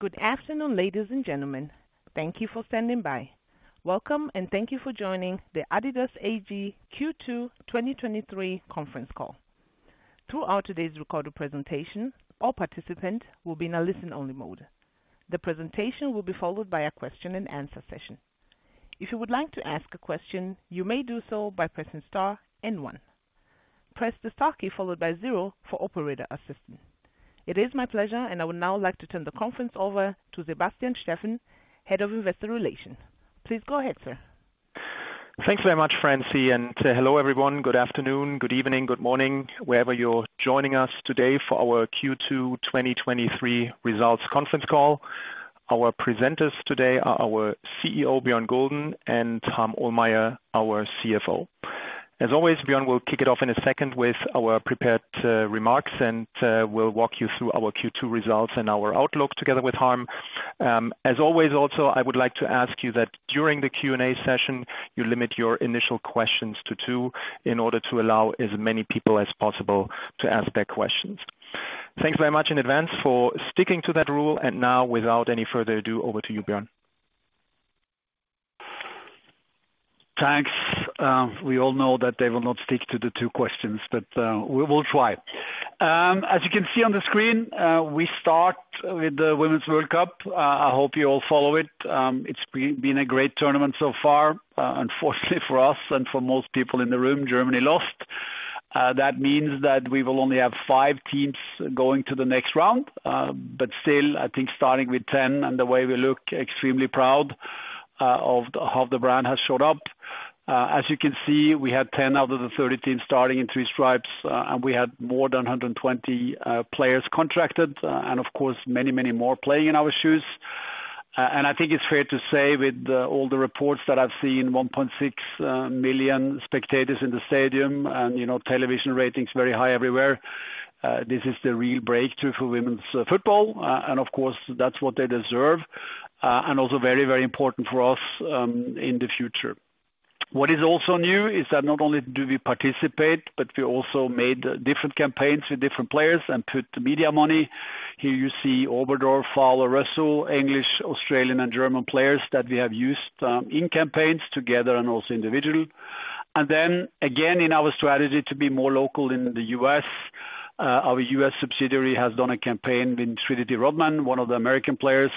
Good afternoon, ladies and gentlemen. Thank you for standing by. Welcome, and thank you for joining the Adidas AG Q2 2023 Conference Call. Throughout today's recorded presentation, all participants will be in a listen-only mode. The presentation will be followed by a question-and-answer session. If you would like to ask a question, you may do so by pressing star and one. Press the star key, followed by zero for operator assistance. It is my pleasure. I would now like to turn the conference over to Sebastian Steffen, Head of Investor Relations. Please go ahead, sir. Thanks very much, Francie, and hello, everyone. Good afternoon, good evening, good morning, wherever you're joining us today for our Q2 2023 results conference call. Our presenters today are our CEO, Bjørn Gulden, and Harm Ohlmeyer, our CFO. As always, Bjørn will kick it off in a second with our prepared remarks, and we'll walk you through our Q2 results and our outlook together with Harm. As always, also, I would like to ask you that during the Q&A session, you limit your initial questions to two in order to allow as many people as possible to ask their questions. Thanks very much in advance for sticking to that rule, and now, without any further ado, over to you, Bjørn. Thanks. We all know that they will not stick to the two questions, we will try. As you can see on the screen, we start with the Women's World Cup. I hope you all follow it. It's been a great tournament so far. Unfortunately for us and for most people in the room, Germany lost. That means that we will only have five teams going to the next round, still, I think, starting with 10, and the way we look, extremely proud of how the brand has showed up. As you can see, we had 10 out of the 30 teams starting in 3-Stripes, we had more than 120 players contracted, of course, many, many more playing in our shoes. I think it's fair to say, with all the reports that I've seen, 1.6 million spectators in the stadium and, you know, television ratings very high everywhere, this is the real breakthrough for women's football. Of course, that's what they deserve, and also very, very important for us in the future. What is also new is that not only do we participate, but we also made different campaigns with different players and put media money. Here, you see Oberdorf, Fowler, Russo, English, Australian, and German players that we have used in campaigns together and also individually. Then, again, in our strategy to be more local in the U.S., our U.S. subsidiary has done a campaign with Trinity Rodman, one of the American players,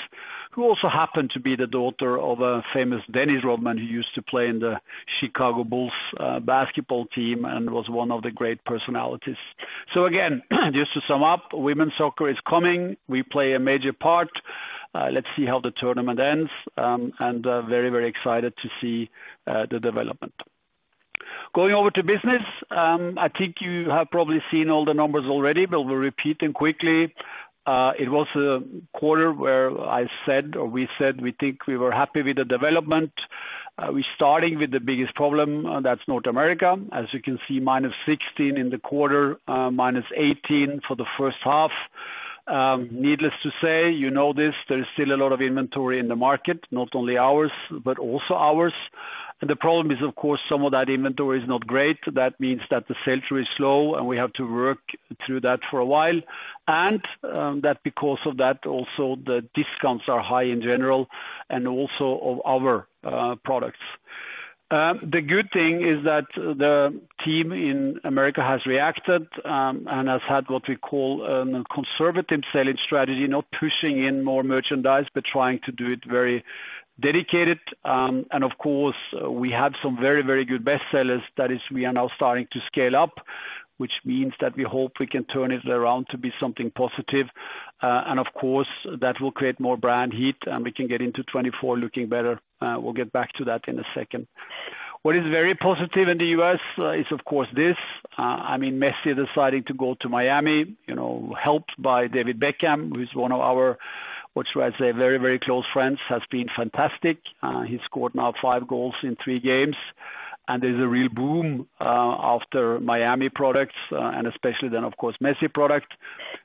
who also happened to be the daughter of a famous Dennis Rodman, who used to play in the Chicago Bulls basketball team and was one of the great personalities. Again, just to sum up, women's soccer is coming. We play a major part. Let's see how the tournament ends, and very, very excited to see the development. Going over to business, I think you have probably seen all the numbers already, but we're repeating quickly. It was a quarter where I said, or we said, we think we were happy with the development. We're starting with the biggest problem, that's North America. As you can see, minus 16% in the quarter, minus 18% for the first half. Needless to say, you know this, there is still a lot of inventory in the market, not only ours, but also ours. The problem is, of course, some of that inventory is not great. That means that the sales are slow, and we have to work through that for a while, and, that because of that, also, the discounts are high in general and also of our products. The good thing is that the team in America has reacted, and has had what we call a conservative selling strategy, not pushing in more merchandise, but trying to do it very dedicated. Of course, we have some very, very good bestsellers. That is, we are now starting to scale up, which means that we hope we can turn it around to be something positive. Of course, that will create more brand heat, and we can get into 2024 looking better. We'll get back to that in a second. What is very positive in the U.S. is, of course, this. I mean, Messi deciding to go to Miami, you know, helped by David Beckham, who is one of our, what should I say, very, very close friends, has been fantastic. He scored now five goals in three games, and there's a real boom after Miami products, and especially then, of course, Messi products.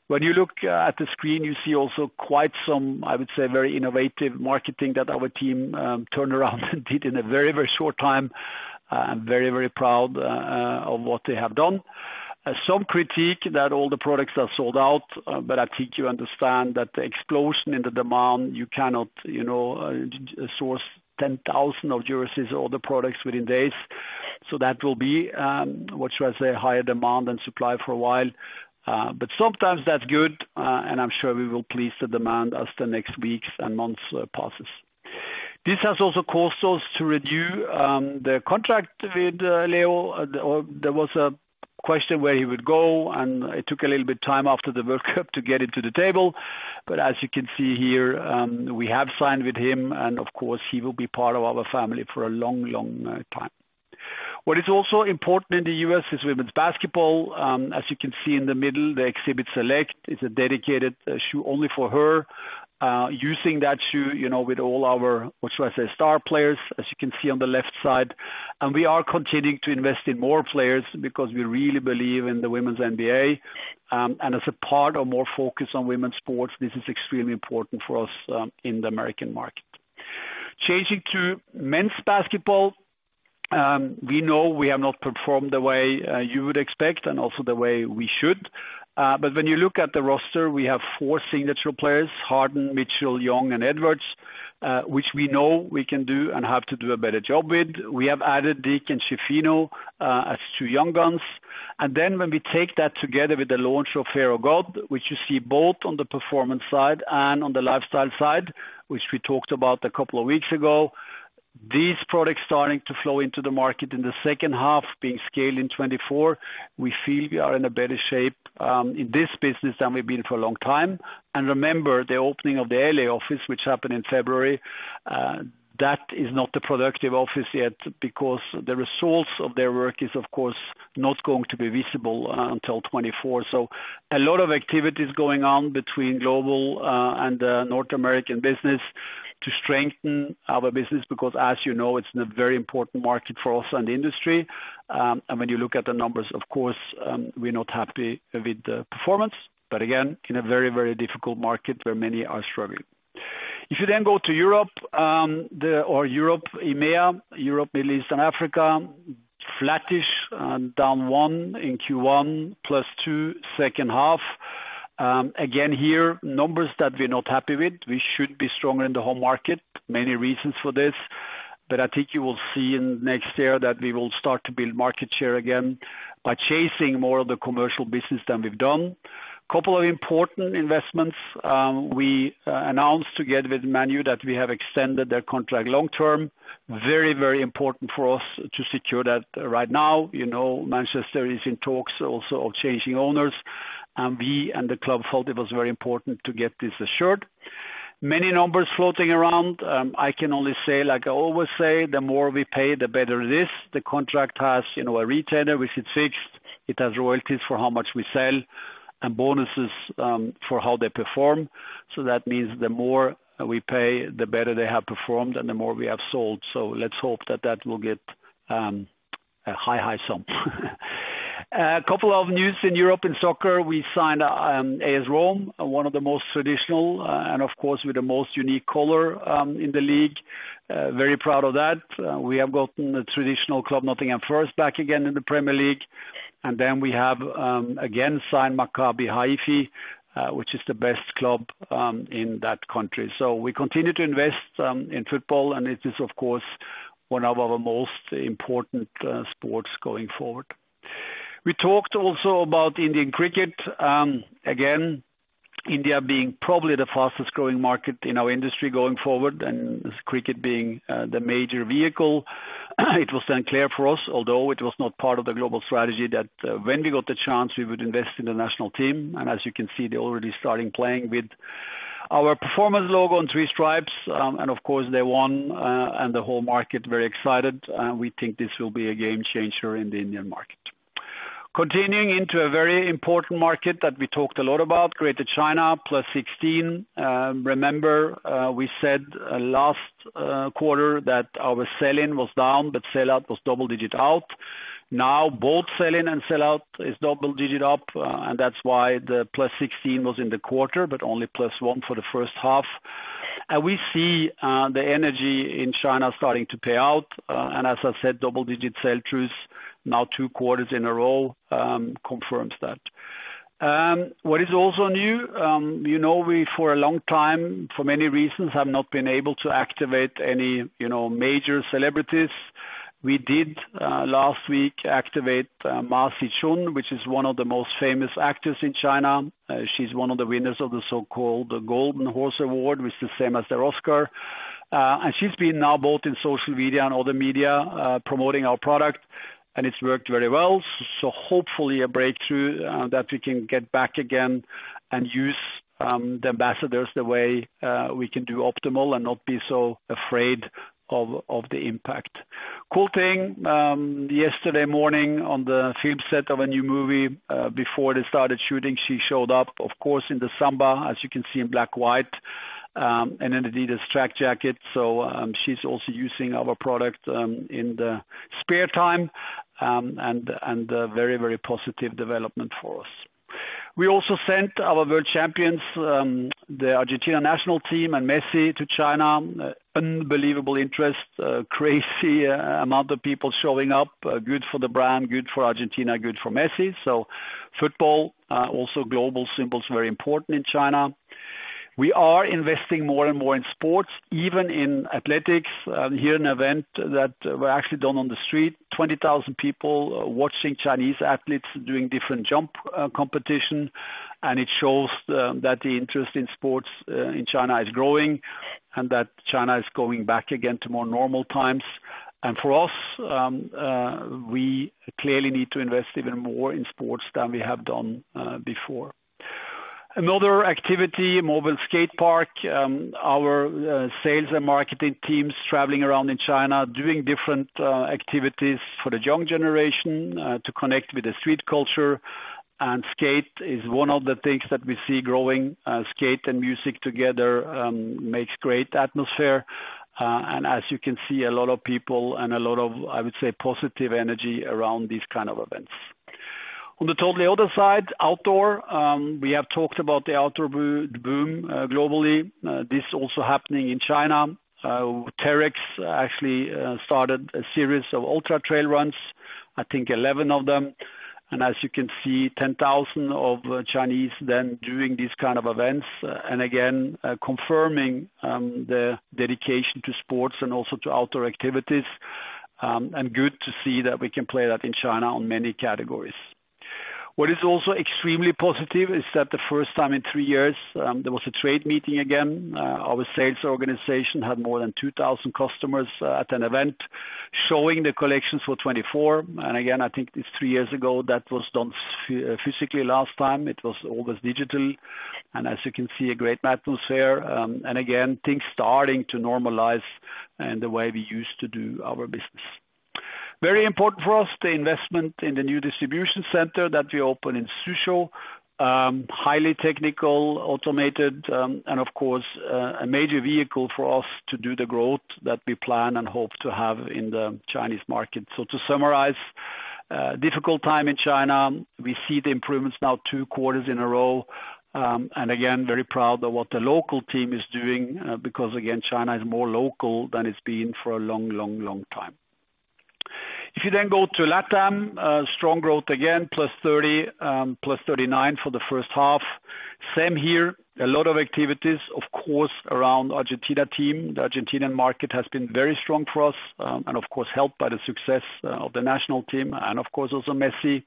When you look at the screen, you see also quite some, I would say, very innovative marketing that our team turned around and did in a very, very short time. I'm very, very proud of what they have done. Some critique that all the products are sold out, I think you understand that the explosion in the demand, you cannot, you know, source 10,000 of jerseys or the products within days. That will be, what should I say, higher demand and supply for a while. Sometimes that's good, and I'm sure we will please the demand as the next weeks and months passes. This has also caused us to review the contract with Leo. There was a question where he would go, it took a little bit time after the World Cup to get into the table. As you can see here, we have signed with him, and of course, he will be part of our family for a long, long time. What is also important in the U.S. is women's basketball. As you can see in the middle, the Exhibit Select is a dedicated shoe only for her. Using that shoe, you know, with all our, what should I say, star players, as you can see on the left side, we are continuing to invest in more players because we really believe in the Women's NBA. As a part of more focus on women's sports, this is extremely important for us in the American market. Changing to men's basketball, we know we have not performed the way you would expect, and also the way we should. When you look at the roster, we have four signature players: Harden, Mitchell, Young, and Edwards. Which we know we can do and have to do a better job with. We have added Deke and Schifino, as two young guns, and then when we take that together with the launch of Fear of God, which you see both on the performance side and on the lifestyle side, which we talked about a couple of weeks ago. These products starting to flow into the market in the second half, being scaled in 2024. We feel we are in a better shape, in this business than we've been for a long time. Remember, the opening of the L.A. Office, which happened in February, that is not a productive office yet, because the results of their work is, of course, not going to be visible until 2024. A lot of activities going on between global and North American business to strengthen our business, because, as you know, it's a very important market for us and the industry. When you look at the numbers, of course, we're not happy with the performance, but again, in a very, very difficult market where many are struggling. Go to Europe, Europe, EMEA, Europe, Middle East and Africa, flattish, down one in Q1, plus two, second half. Again, here, numbers that we're not happy with. We should be stronger in the home market. Many reasons for this. I think you will see in next year that we will start to build market share again by chasing more of the commercial business than we've done. Couple of important investments, we announced together with Manchester United, that we have extended their contract long term. Very, very important for us to secure that right now. You know, Manchester United is in talks also of changing owners, and we and the club thought it was very important to get this assured. Many numbers floating around, I can only say, like I always say, the more we pay, the better it is. The contract has, you know, a retailer, which is fixed. It has royalties for how much we sell and bonuses for how they perform. That means the more we pay, the better they have performed and the more we have sold. Let's hope that that will get a high, high sum. A couple of news in Europe and soccer. We signed AS Roma, one of the most traditional, and of course, with the most unique color, in the league. Very proud of that. We have gotten the traditional club, Nottingham Forest, back again in the Premier League, and then we have again signed Maccabi Haifa, which is the best club in that country. We continue to invest in football, and it is, of course, one of our most important sports going forward. We talked also about Indian cricket. Again, India being probably the fastest growing market in our industry going forward, and cricket being, the major vehicle, it was then clear for us, although it was not part of the global strategy, that, when we got the chance, we would invest in the national team. As you can see, they're already starting playing with our performance logo and three stripes. Of course, they won, and the whole market very excited, and we think this will be a game changer in the Indian market. Continuing into a very important market that we talked a lot about, Greater China, +16. Remember, we said last quarter that our sell-in was down, but sell-out was double digit out. Now, both sell-in and sell-out is double-digit up, and that's why the +16 was in the quarter, but only plus one for the first half. We see the energy in China starting to pay out, and as I said, double-digit sell-throughs, now two quarters in a row, confirms that. What is also new, you know, we for a long time, for many reasons, have not been able to activate any, you know, major celebrities. We did last week, activate Ma Sichun, which is one of the most famous actors in China. She's one of the winners of the so-called Golden Horse Award, which is the same as the Oscar. She's been now both in social media and other media, promoting our product, and it's worked very well. So hopefully a breakthrough that we can get back again and use the ambassadors the way we can do optimal and not be so afraid of, of the impact. Cool thing, yesterday morning on the film set of a new movie, before they started shooting, she showed up, of course, in the Samba, as you can see, in black, white, and an adidas track jacket. She's also using our product in the spare time, and a very, very positive development for us. We also sent our world champions, the Argentina national team and Messi to China. Unbelievable interest, crazy amount of people showing up. Good for the brand, good for Argentina, good for Messi. Football, also global symbol, is very important in China. We are investing more and more in sports, even in athletics. Here, an event that were actually done on the street. 20,000 people watching Chinese athletes doing different jump competition, and it shows that the interest in sports in China is growing, and that China is going back again to more normal times. For us, we clearly need to invest even more in sports than we have done before. Another activity, mobile skate park. Our sales and marketing teams traveling around in China, doing different activities for the young generation to connect with the street culture. Skate is one of the things that we see growing. Skate and music together makes great atmosphere. As you can see, a lot of people and a lot of, I would say, positive energy around these kind of events. On the totally other side, outdoor, we have talked about the outdoor boom globally. This also happening in China. TERREX actually started a series of ultra trail runs, I think 11 of them. As you can see, 10,000 of Chinese then doing these kind of events, again, confirming the dedication to sports and also to outdoor activities. Good to see that we can play that in China on many categories. What is also extremely positive is that the first time in 3 years, there was a trade meeting again. Our sales organization had more than 2,000 customers at an event, showing the collections for 2024. Again, I think it's three years ago that was done physically, last time it was always digital. As you can see, a great atmosphere, and again, things starting to normalize in the way we used to do our business. Very important for us, the investment in the new distribution center that we opened in Suzhou. Highly technical, automated, and of course, a major vehicle for us to do the growth that we plan and hope to have in the Chinese market. To summarize, a difficult time in China. We see the improvements now two quarters in a row, and again, very proud of what the local team is doing, because, again, China is more local than it's been for a long, long, long time. You then go to LATAM, a strong growth, again, +30, +39 for the first half. Same here, a lot of activities, of course, around Argentina team. The Argentinian market has been very strong for us, and of course, helped by the success of the national team and of course, also Messi.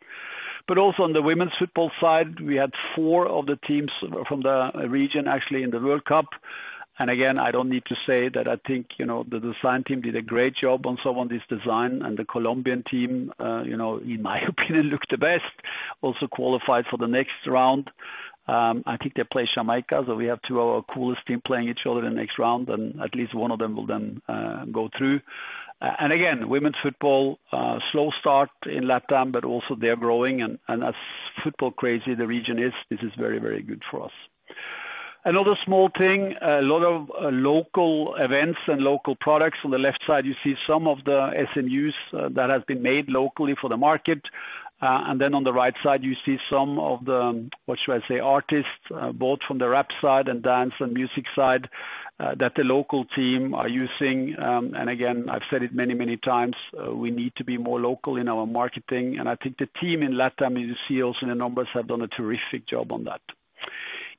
But also on the women's football side, we had four of the teams from the region actually in the World Cup. Again, I don't need to say that I think, you know, the design team did a great job on some of this design. The Colombian team, you know, in my opinion, looked the best, also qualified for the next round. I think they play Jamaica. We have two of our coolest team playing each other in the next round, and at least one of them will then go through. Again, women's football, slow start in LATAM, but also they're growing and as football crazy the region is, this is very, very good for us. Another small thing, a lot of local events and local products. On the left side, you see some of the SMUs that have been made locally for the market. Then on the right side, you see some of the, what should I say? Artists, both from the rap side and dance and music side, that the local team are using. Again, I've said it many, many times, we need to be more local in our marketing, and I think the team in LATAM, you see also in the numbers, have done a terrific job on that.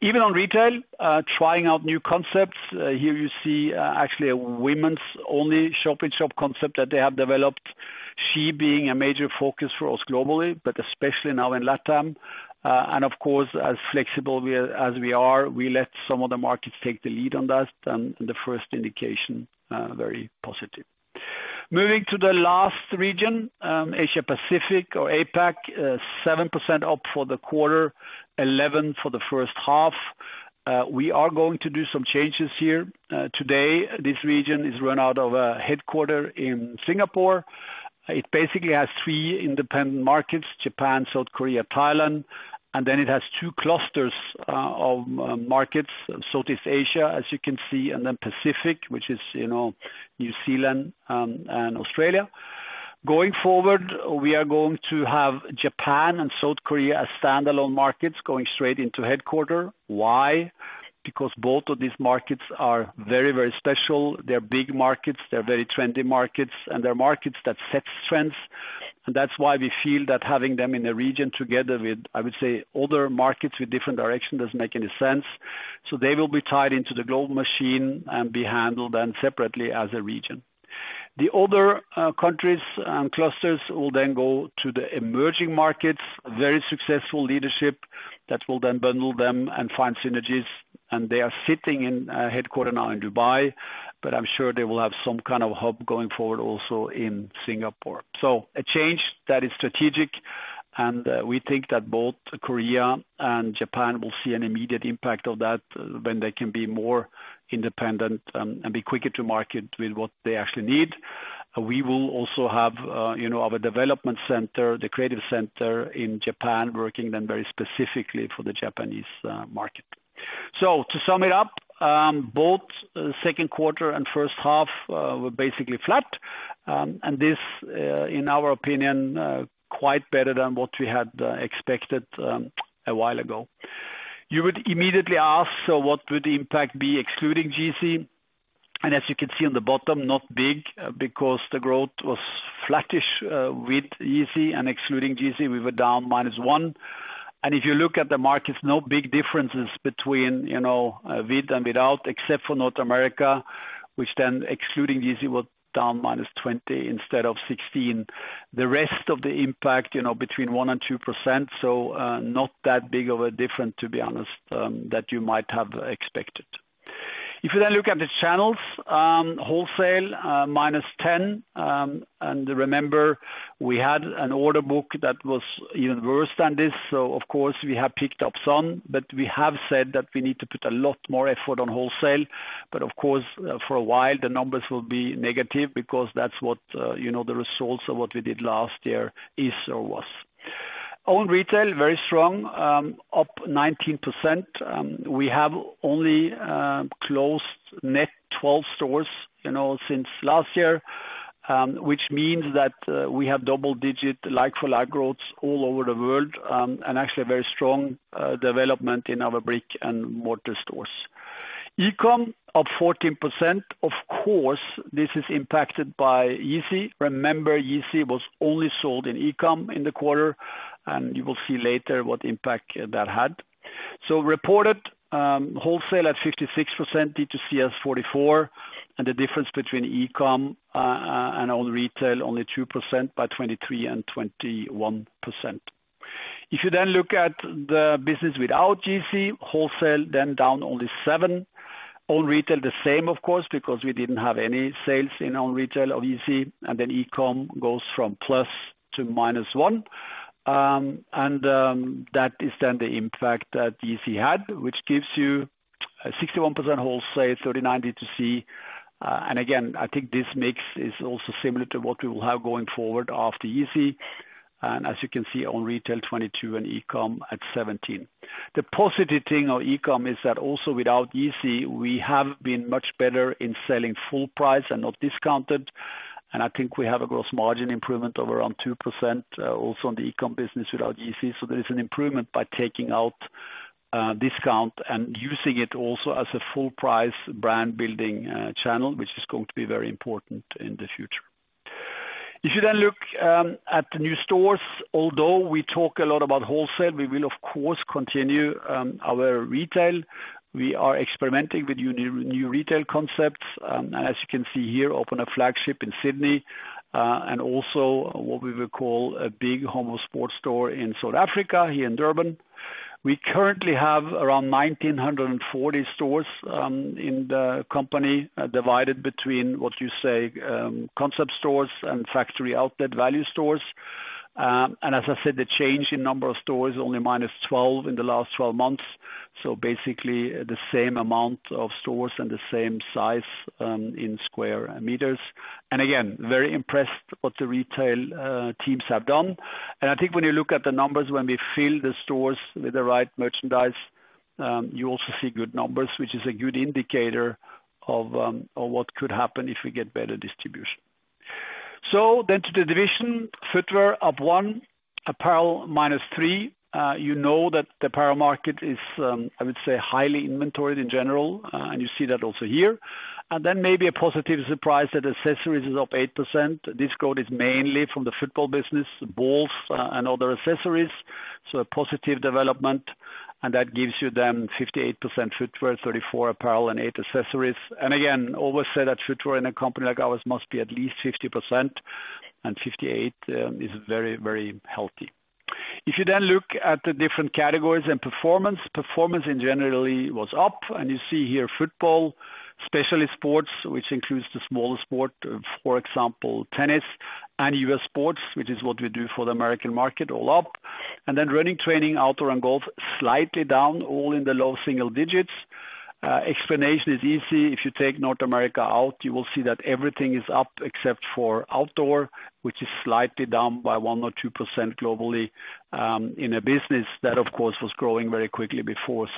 Even on retail, trying out new concepts. Here you see, actually a women's only shop-in-shop concept that they have developed, she being a major focus for us globally, but especially now in LATAM. Of course, as flexible we are, as we are, we let some of the markets take the lead on that, and the first indication, very positive. Moving to the last region, Asia Pacific or APAC, 7% up for the quarter, 11 for the first half. We are going to do some changes here. Today, this region is run out of a headquarter in Singapore. It basically has three independent markets, Japan, South Korea, Thailand, and then it has two clusters of markets. Southeast Asia, as you can see, and then Pacific, which is, you know, New Zealand and Australia. Going forward, we are going to have Japan and South Korea as standalone markets, going straight into headquarter. Why? Because both of these markets are very, very special. They're big markets, they're very trendy markets, and they're markets that set trends. That's why we feel that having them in a region together with, I would say, other markets with different direction, doesn't make any sense. They will be tied into the global machine and be handled then separately as a region. The other countries and clusters will then go to the emerging markets. Very successful leadership that will then bundle them and find synergies, and they are sitting in a headquarter now in Dubai, but I'm sure they will have some kind of hub going forward also in Singapore. A change that is strategic, and we think that both Korea and Japan will see an immediate impact of that when they can be more independent and, and be quicker to market with what they actually need. We will also have, you know, our development center, the creative center in Japan, working then very specifically for the Japanese market. To sum it up, both second quarter and first half were basically flat. This, in our opinion, quite better than what we had expected a while ago. You would immediately ask, "So what would the impact be, excluding GC?" As you can see on the bottom, not big, because the growth was flattish, with GC and excluding GC, we were down -1%. If you look at the markets, no big differences between, you know, with and without, except for North America, which then excluding GC, was down -20% instead of 16%. The rest of the impact, you know, between 1%-2%, so, not that big of a difference, to be honest, that you might have expected. If you then look at the channels, wholesale, -10%. Remember, we had an order book that was even worse than this. Of course, we have picked up some, but we have said that we need to put a lot more effort on wholesale. Of course, for a while the numbers will be negative because that's what, you know, the results of what we did last year is or was. Own retail, very strong, up 19%. We have only closed net 12 stores, you know, since last year. Which means that we have double digit like-for-like growth all over the world, and actually a very strong development in our brick and mortar stores. e-com, up 14%. Of course, this is impacted by Yeezy. Remember, Yeezy was only sold in e-com in the quarter, and you will see later what impact that had. Reported wholesale at 56%, DTC as 44%, and the difference between e-com and own retail, only 2% by 23% and 21%. If you then look at the business without Yeezy, wholesale, then down only seven. Own retail, the same, of course, because we didn't have any sales in own retail of Yeezy, and then e-com goes from plus to minus one. That is then the impact that Yeezy had, which gives you a 61% wholesale, 39 DTC. Again, I think this mix is also similar to what we will have going forward after Yeezy, and as you can see, own retail 22 and e-com at 17. The positive thing of e-com is that also without Yeezy, we have been much better in selling full price and not discounted, and I think we have a gross margin improvement of around 2% also on the e-com business without Yeezy. There is an improvement by taking out discount and using it also as a full price brand-building channel, which is going to be very important in the future. If you then look at the new stores, although we talk a lot about wholesale, we will of course, continue our retail. We are experimenting with new retail concepts, and as you can see here, opened a flagship in Sydney, and also what we would call a big Home of Sport store in South Africa, here in Durban. We currently have around 1,940 stores in the company, divided between, what you say, concept stores and factory outlet value stores. As I said, the change in number of stores, only -12 in the last 12 months, so basically the same amount of stores and the same size in square meters. Again, very impressed what the retail teams have done. I think when you look at the numbers, when we fill the stores with the right merchandise, you also see good numbers, which is a good indicator of what could happen if we get better distribution. Then to the division, footwear +1%, apparel, -3%. You know that the apparel market is, I would say, highly inventoried in general, you see that also here. Then maybe a positive surprise, that accessories is up 8%. This growth is mainly from the football business, balls, and other accessories, so a positive development. That gives you then 58% footwear, 34 apparel, and eight accessories. Again, always say that footwear in a company like ours must be at least 50%, and 58 is very, very healthy. If you then look at the different categories and performance, performance in generally was up, and you see here football, specialty sports, which includes the smaller sport, for example, tennis and U.S. sports, which is what we do for the American market, all up. Then running, training, outdoor, and golf, slightly down, all in the low single digits. Explanation is easy. If you take North America out, you will see that everything is up except for outdoor, which is slightly down by 1 or 2% globally, in a business that, of course, was growing very quickly before.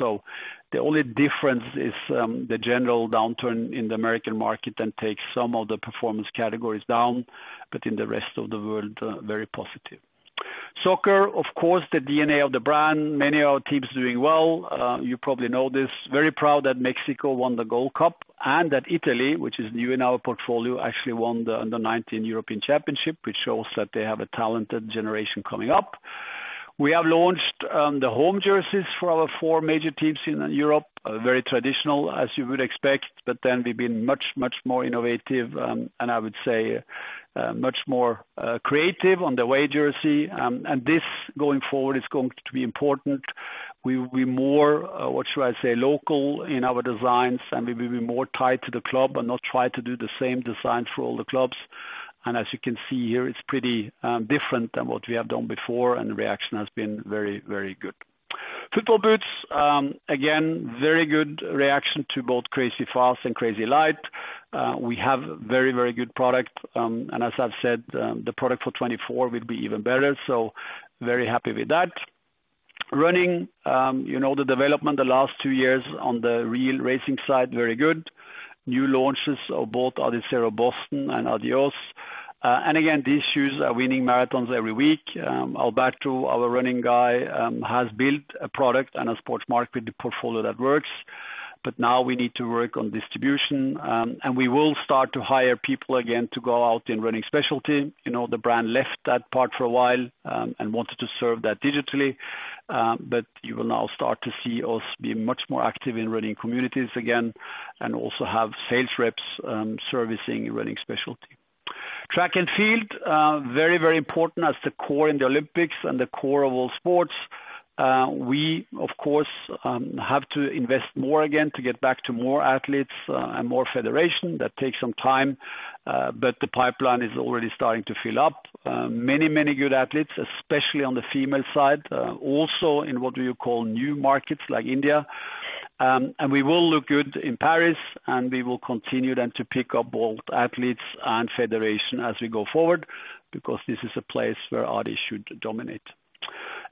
The only difference is, the general downturn in the American market, then takes some of the performance categories down, but in the rest of the world, very positive. Soccer, of course, the DNA of the brand. Many of our teams are doing well. You probably know this. Very proud that Mexico won the Gold Cup and that Italy, which is new in our portfolio, actually won the under-19 European Championship, which shows that they have a talented generation coming up. We have launched, the home jerseys for our four major teams in Europe. Very traditional, as you would expect, but then we've been much, much more innovative, and I would say, much more, creative on the away jersey. This, going forward, is going to be important. We will be more, what should I say, local in our designs, and we will be more tied to the club and not try to do the same design for all the clubs. As you can see here, it's pretty different than what we have done before, and the reaction has been very, very good. Football boots, again, very good reaction to both Crazyfast and Crazylight. We have very, very good product, and as I've said, the product for 2024 will be even better, so very happy with that. Running, you know, the development the last two years on the real racing side, very good. New launches of both Adizero Boston and Adios. Again, these shoes are winning marathons every week. Alberto, our running guy, has built a product and a sports marketing portfolio that works. Now we need to work on distribution, and we will start to hire people again to go out in running specialty. You know, the brand left that part for a while, and wanted to serve that digitally. But you will now start to see us be much more active in running communities again and also have sales reps, servicing running specialty. Track and field, very, very important as the core in the Olympics and the core of all sports. We, of course, have to invest more again to get back to more athletes, and more federation. That takes some time, but the pipeline is already starting to fill up. Many, many good athletes, especially on the female side, also in what you call new markets like India. We will look good in Paris, and we will continue then to pick up both athletes and federation as we go forward, because this is a place where adidas should dominate.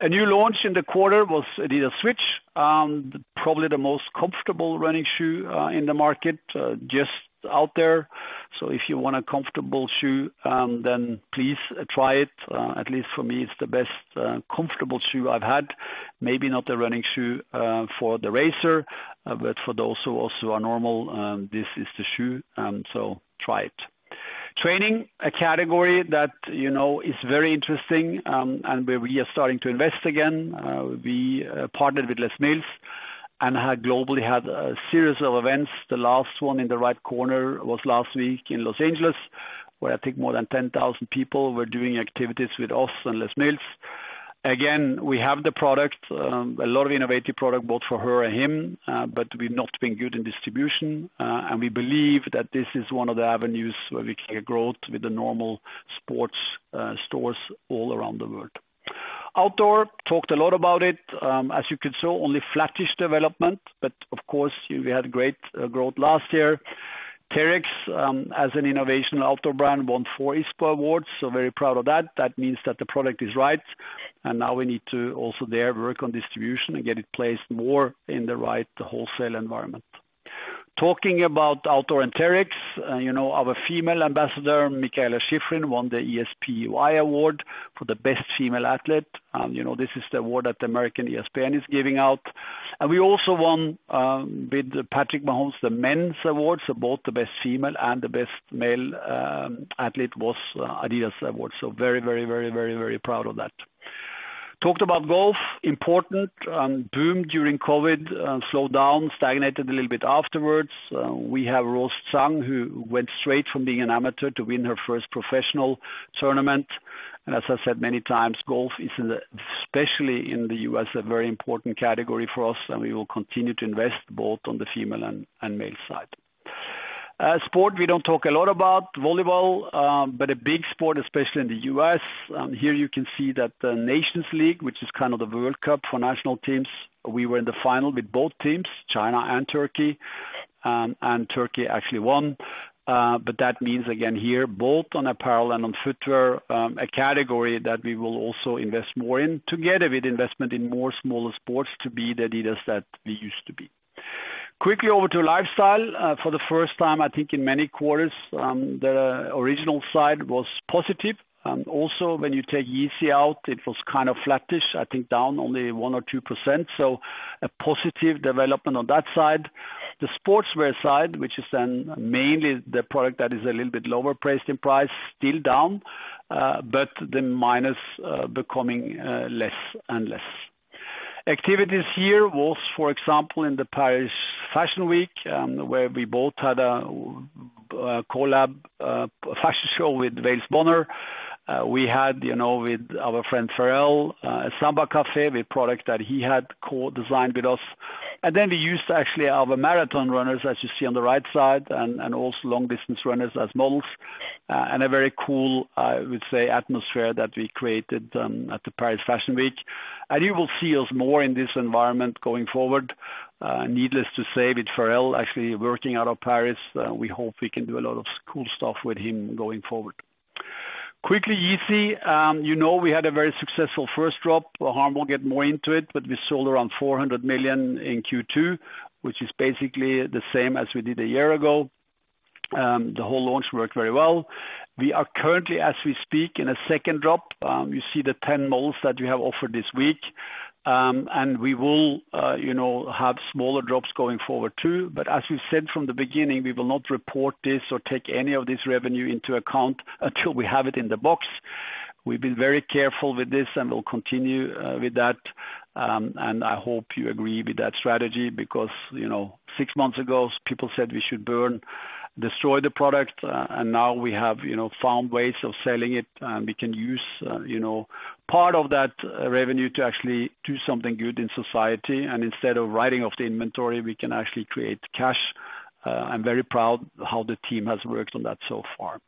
A new launch in the quarter was Adidas Switch, probably the most comfortable running shoe in the market, just out there. If you want a comfortable shoe, then please try it. At least for me, it's the best comfortable shoe I've had. Maybe not a running shoe for the racer, but for those who also are normal, this is the shoe, so try it. Training, a category that, you know, is very interesting, and where we are starting to invest again. We partnered with Les Mills and had globally had a series of events. The last one in the right corner was last week in Los Angeles, where I think more than 10,000 people were doing activities with us and Les Mills. Again, we have the product, a lot of innovative product, both for her and him, but we've not been good in distribution, and we believe that this is one of the avenues where we can get growth with the normal sports, stores all around the world. Outdoor, talked a lot about it. As you can saw, only flattish development, but of course, we had great growth last year. TERREX, as an innovation outdoor brand, won four ISPO awards, so very proud of that. That means that the product is right, and now we need to also there, work on distribution and get it placed more in the right wholesale environment. Talking about outdoor and TERREX, you know, our female ambassador, Mikaela Shiffrin, won the ESPY Award for the best female athlete. You know, this is the award that the American ESPN is giving out. We also won with Patrick Mahomes, the men's award. Both the best female and the best male athlete was adidas award. Very, very, very, very, very proud of that. Talked about golf, important, boomed during COVID, slowed down, stagnated a little bit afterwards. We have Rose Zhang, who went straight from being an amateur to win her first professional tournament. As I said many times, golf is, especially in the U.S., a very important category for us, and we will continue to invest both on the female and, and male side. Sport, we don't talk a lot about volleyball, but a big sport, especially in the U.S. Here you can see that the Nations League, which is kind of the World Cup for national teams, we were in the final with both teams, China and Turkey, Turkey actually won. That means, again here, both on apparel and on footwear, a category that we will also invest more in, together with investment in more smaller sports to be the Adidas that we used to be. Quickly over to lifestyle. For the first time, I think in many quarters, the original side was positive. Also, when you take Yeezy out, it was kind of flattish, I think down only 1% or 2%, a positive development on that side. The sportswear side, which is then mainly the product that is a little bit lower priced in price, still down, but the minus becoming less and less. Activities here was, for example, in the Paris Fashion Week, where we both had a, a collab, fashion show with Wales Bonner. We had, you know, with our friend Pharrell, Samba Cafe, a product that he had co-designed with us. Then we used actually our marathon runners, as you see on the right side, and, and also long-distance runners as models. A very cool, I would say, atmosphere that we created, at the Paris Fashion Week. You will see us more in this environment going forward. Needless to say, with Pharrell actually working out of Paris, we hope we can do a lot of cool stuff with him going forward. Quickly, Yeezy. You know, we had a very successful first drop. Harm will get more into it, but we sold around 400 million in Q2, which is basically the same as we did a year ago. The whole launch worked very well. We are currently, as we speak, in a second drop. You see the 10 molds that we have offered this week. We will, you know, have smaller drops going forward, too. But as we've said from the beginning, we will not report this or take any of this revenue into account until we have it in the box. We've been very careful with this, and we'll continue with that. I hope you agree with that strategy because, you know, 6 months ago, people said we should burn, destroy the product, and now we have, you know, found ways of selling it, and we can use, you know, part of that revenue to actually do something good in society. Instead of writing off the inventory, we can actually create cash. I'm very proud how the team has worked on that so far.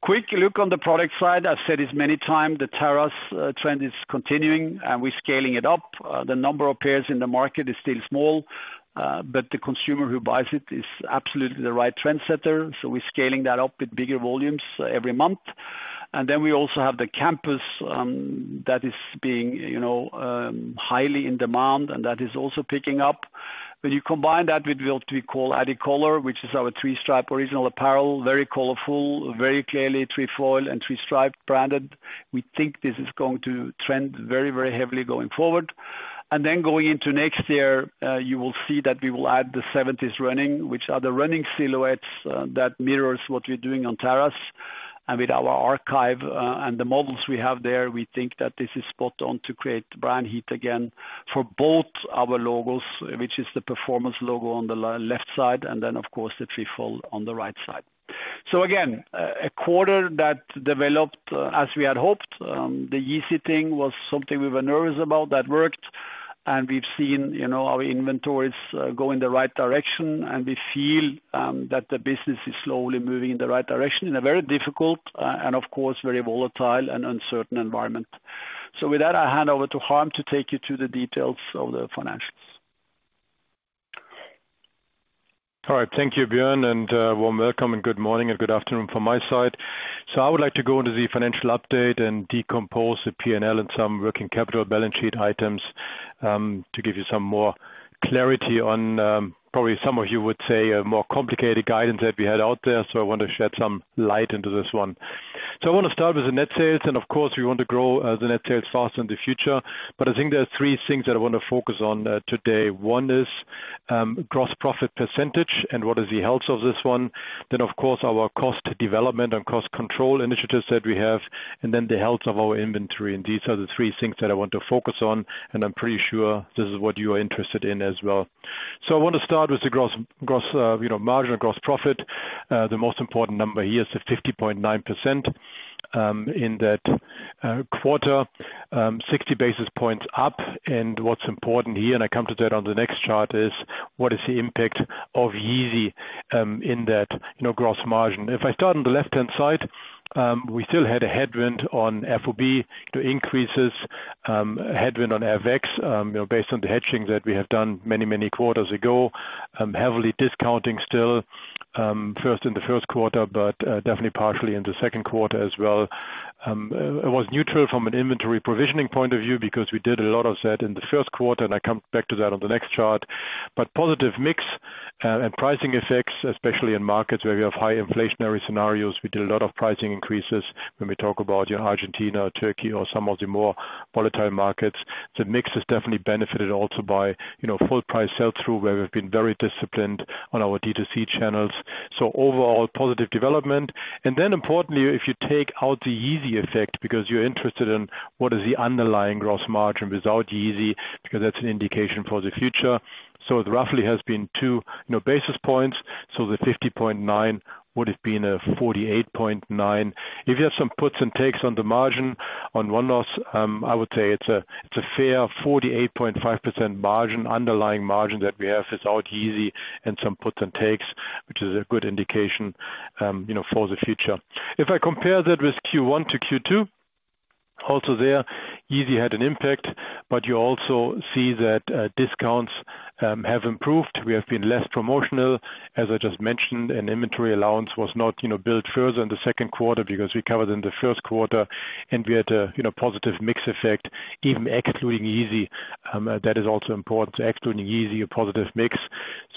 Quick look on the product side. I've said this many time, the Terrace trend is continuing, and we're scaling it up. The number of pairs in the market is still small, but the consumer who buys it is absolutely the right trendsetter, so we're scaling that up with bigger volumes every month. We also have the Campus, that is being, you know, highly in demand, and that is also picking up. When you combine that with what we call adicolor, which is our three-stripe original apparel, very colorful, very clearly Trefoil and three-stripe branded, we think this is going to trend very, very heavily going forward. Going into next year, you will see that we will add the 70s Running, which are the running silhouettes, that mirrors what we're doing on Terrace. With our archive, and the models we have there, we think that this is spot on to create brand heat again for both our logos, which is the performance logo on the left side, and then, of course, the Trefoil on the right side. Again, a quarter that developed as we had hoped. The Yeezy thing was something we were nervous about, that worked, and we've seen, you know, our inventories, go in the right direction, and we feel, that the business is slowly moving in the right direction, in a very difficult, and of course, very volatile and uncertain environment. With that, I'll hand over to Harm to take you through the details of the financials. All right, thank you, Bjørn. Warm welcome and good morning, and good afternoon from my side. I would like to go into the financial update and decompose the P&L and some working capital balance sheet items to give you some more clarity on, probably some of you would say, a more complicated guidance that we had out there. I want to shed some light into this one. I want to start with the net sales. Of course, we want to grow the net sales faster in the future. I think there are 3 things that I want to focus on today. One is, gross profit % and what is the health of this one. Of course, our cost development and cost control initiatives that we have, and then the health of our inventory. These are the three things that I want to focus on, and I'm pretty sure this is what you are interested in as well. I want to start with the gross, gross, you know, margin, gross profit. The most important number here is the 50.9% in that quarter, 60 basis points up. What's important here, and I come to that on the next chart, is what is the impact of Yeezy in that, you know, gross margin? I start on the left-hand side, we still had a headwind on FOB to increases, headwind on FX, you know, based on the hedging that we have done many, many quarters ago, heavily discounting still, first in the first quarter, but definitely partially in the second quarter as well. It was neutral from an inventory provisioning point of view because we did a lot of that in the first quarter, and I come back to that on the next chart. Positive mix and pricing effects, especially in markets where we have high inflationary scenarios. We did a lot of pricing increases when we talk about, you know, Argentina, Turkey, or some of the more volatile markets. The mix has definitely benefited also by, you know, full price sell-through, where we've been very disciplined on our D2C channels. Overall, positive development. Importantly, if you take out the Yeezy effect, because you're interested in what is the underlying gross margin without Yeezy, because that's an indication for the future. It roughly has been two, you know, basis points. The 50.9 would have been a 48.9. If you have some puts and takes on the margin on one loss, I would say it's a fair 48.5% margin, underlying margin that we have without Yeezy and some puts and takes, which is a good indication, you know, for the future. If I compare that with Q1-Q2, also there, Yeezy had an impact, but you also see that discounts have improved. We have been less promotional, as I just mentioned, and inventory allowance was not, you know, built further in the second quarter because we covered in the first quarter, and we had a, you know, positive mix effect, even excluding Yeezy. That is also important to excluding Yeezy, a positive mix.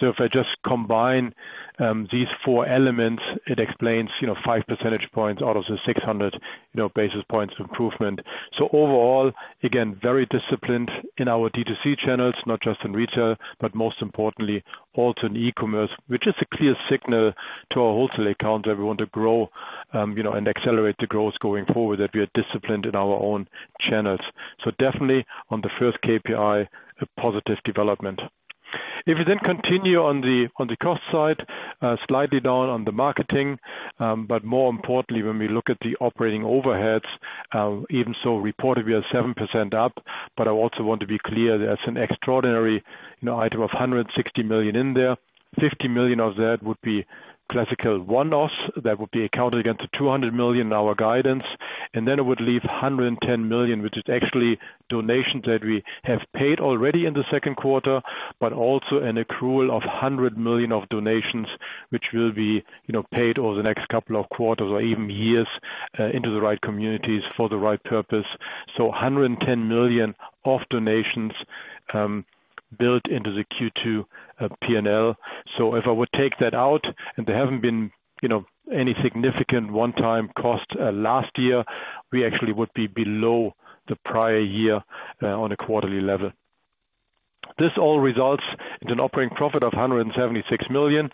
If I just combine, these four elements, it explains, you know, 5 percentage points out of the 600, you know, basis points of improvement. Overall, again, very disciplined in our D2C channels, not just in retail, but most importantly, also in e-commerce, which is a clear signal to our wholesale accounts that we want to grow, you know, and accelerate the growth going forward, that we are disciplined in our own channels. Definitely on the first KPI, a positive development. If you then continue on the, on the cost side, slightly down on the marketing, but more importantly, when we look at the operating overheads, even so, reportedly, we are 7% up. I also want to be clear, there's an extraordinary, you know, item of 160 million in there. 50 million of that would be classical one-offs that would be accounted against the 200 million in our guidance, then it would leave 110 million, which is actually donations that we have paid already in the second quarter, but also an accrual of 100 million of donations, which will be, you know, paid over the next couple of quarters or even years into the right communities for the right purpose. 110 million of donations built into the Q2 P&L. If I would take that out, and there haven't been, you know, any significant one-time cost last year, we actually would be below the prior year on a quarterly level. This all results in an operating profit of 176 million.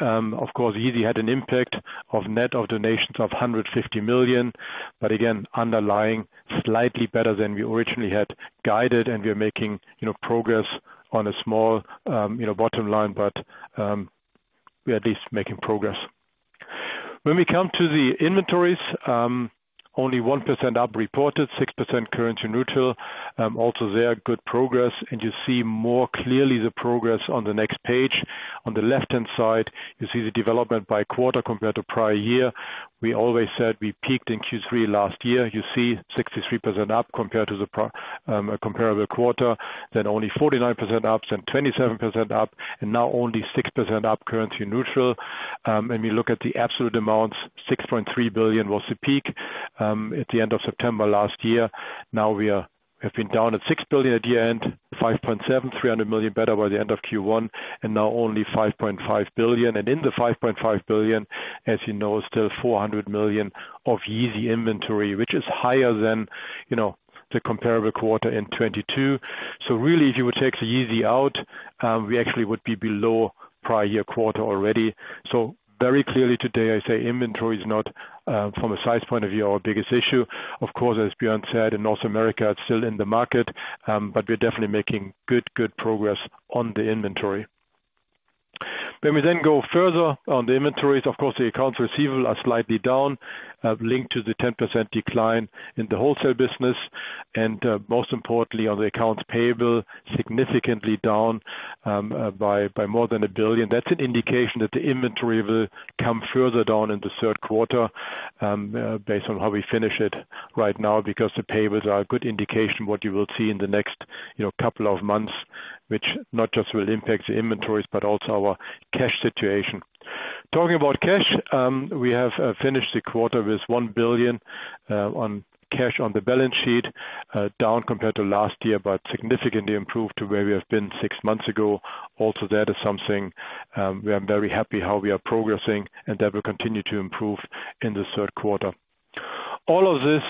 Of course, Yeezy had an impact of net of donations of 150 million, but again, underlying slightly better than we originally had guided, and we are making, you know, progress on a small, you know, bottom line, but we are at least making progress. When we come to the inventories, only 1% up, reported 6% currency neutral. Also, there, good progress, and you see more clearly the progress on the next page. On the left-hand side, you see the development by quarter compared to prior year. We always said we peaked in Q3 last year. You see 63% up compared to the comparable quarter, then only 49% up, then 27% up, and now only 6% up, currency neutral. We look at the absolute amounts, 6.3 billion was the peak at the end of September last year. Now, we have been down at 6 billion at the end, 5.7 billion, 300 million better by the end of Q1, and now only 5.5 billion. In the 5.5 billion, as you know, still 400 million of Yeezy inventory, which is higher than, you know, the comparable quarter in 2022. Really, if you would take the Yeezy out, we actually would be below prior year quarter already. Very clearly today, I say inventory is not from a size point of view, our biggest issue. Of course, as Bjørn said, in North America, it's still in the market, but we're definitely making good, good progress on the inventory. When we then go further on the inventories, of course, the accounts receivable are slightly down, linked to the 10% decline in the wholesale business, and, most importantly, on the accounts payable, significantly down by more than 1 billion. That's an indication that the inventory will come further down in the third quarter, based on how we finish it right now, because the payables are a good indication what you will see in the next, you know, couple of months, which not just will impact the inventories, but also our cash situation. Talking about cash, we have finished the quarter with 1 billion on cash on the balance sheet, down compared to last year, but significantly improved to where we have been six months ago. Also, that is something, we are very happy how we are progressing, and that will continue to improve in the third quarter. All of this,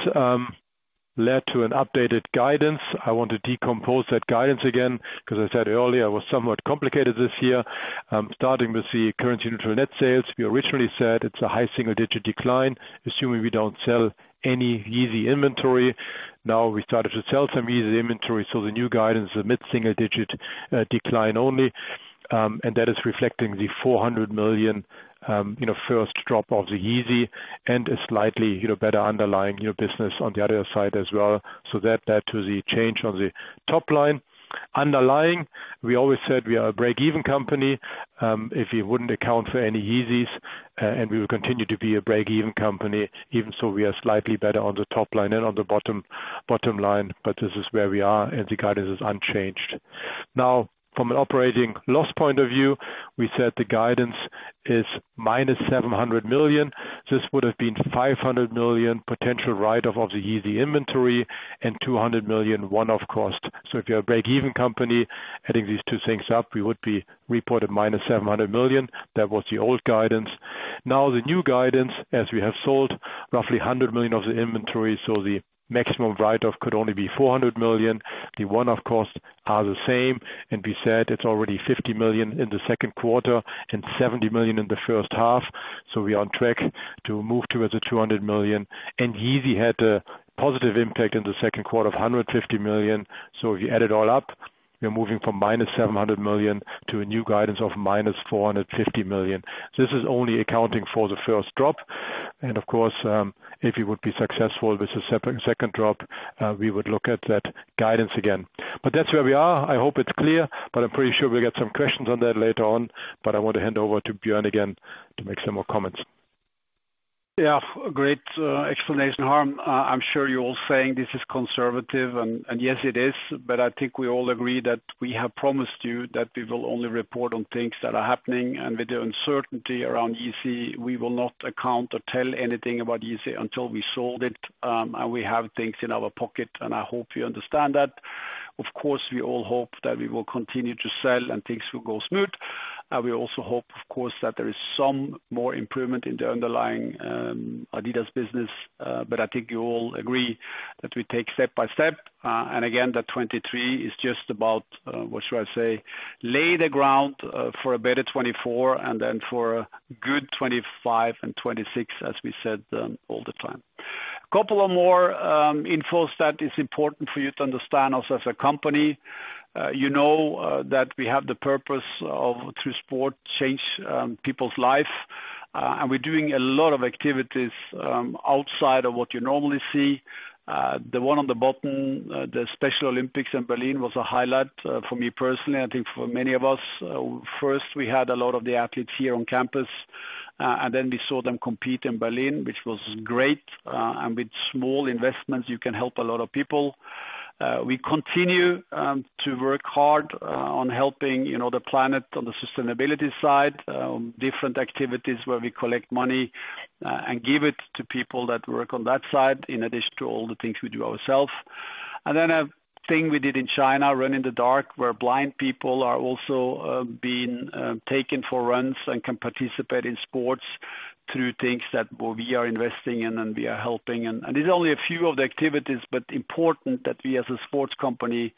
led to an updated guidance. I want to decompose that guidance again, 'cause I said earlier, it was somewhat complicated this year. Starting with the currency neutral net sales, we originally said it's a high single digit decline, assuming we don't sell any Yeezy inventory. Now, we started to sell some Yeezy inventory, so the new guidance is a mid-single digit decline only, and that is reflecting the 400 million, you know, first drop of the Yeezy and a slightly, you know, better underlying, you know, business on the other side as well. That led to the change on the top line. Underlying, we always said we are a break-even company, if you wouldn't account for any Yeezy, we will continue to be a break-even company, even so we are slightly better on the top line and on the bottom line, this is where we are, and the guidance is unchanged. From an operating loss point of view, we said the guidance is -700 million. This would have been 500 million potential write-off of the Yeezy inventory and 200 million one-off cost. If you're a break-even company, adding these two things up, we would be reported -700 million. That was the old guidance. The new guidance, as we have sold roughly 100 million of the inventory, the maximum write-off could only be 400 million. The one-off costs are the same. We said it's already 50 million in the second quarter and 70 million in the first half, so we are on track to move towards the 200 million. Yeezy had a positive impact in the second quarter of 150 million. If you add it all up, we are moving from minus 700 million to a new guidance of minus 450 million. This is only accounting for the first drop, and of course, if you would be successful with a separate second drop, we would look at that guidance again. That's where we are. I hope it's clear, but I'm pretty sure we'll get some questions on that later on. I want to hand over to Bjørn again to make some more comments. Yeah, great explanation, Harm. I'm sure you're all saying this is conservative, and yes, it is, but I think we all agree that we have promised you that we will only report on things that are happening, and with the uncertainty around Yeezy, we will not account or tell anything about Yeezy until we sold it, and we have things in our pocket, and I hope you understand that. Of course, we all hope that we will continue to sell and things will go smooth. We also hope, of course, that there is some more improvement in the underlying adidas business, but I think you all agree that we take step by step. Again, that 2023 is just about what should I say? Lay the ground for a better 2024 and then for a good 2025 and 2026, as we said, all the time. Couple of more info that is important for you to understand also as a company. You know, that we have the purpose of through sport, change people's lives. We're doing a lot of activities outside of what you normally see. The one on the bottom, the Special Olympics in Berlin was a highlight, for me personally, I think for many of us. First, we had a lot of the athletes here on campus. Then we saw them compete in Berlin, which was great. With small investments, you can help a lot of people. We continue to work hard on helping, you know, the planet on the sustainability side, different activities where we collect money and give it to people that work on that side, in addition to all the things we do ourselves. A thing we did in China, Run In the Dark, where blind people are also being taken for runs and can participate in sports through things that we are investing in and we are helping. It's only a few of the activities, but important that we, as a sports company,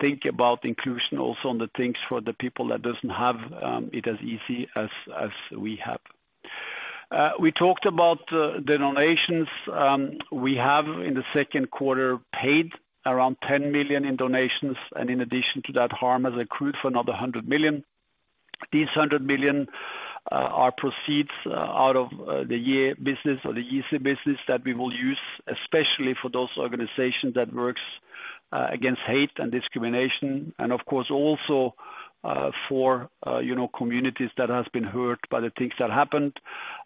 think about inclusion also on the things for the people that doesn't have it as easy as we have. We talked about the donations. We have, in the second quarter, paid around 10 million in donations. In addition to that, Harm has accrued for another 100 million. These 100 million are proceeds out of the year business or the Yeezy business that we will use, especially for those organizations that works against hate and discrimination, and of course, also for, you know, communities that has been hurt by the things that happened.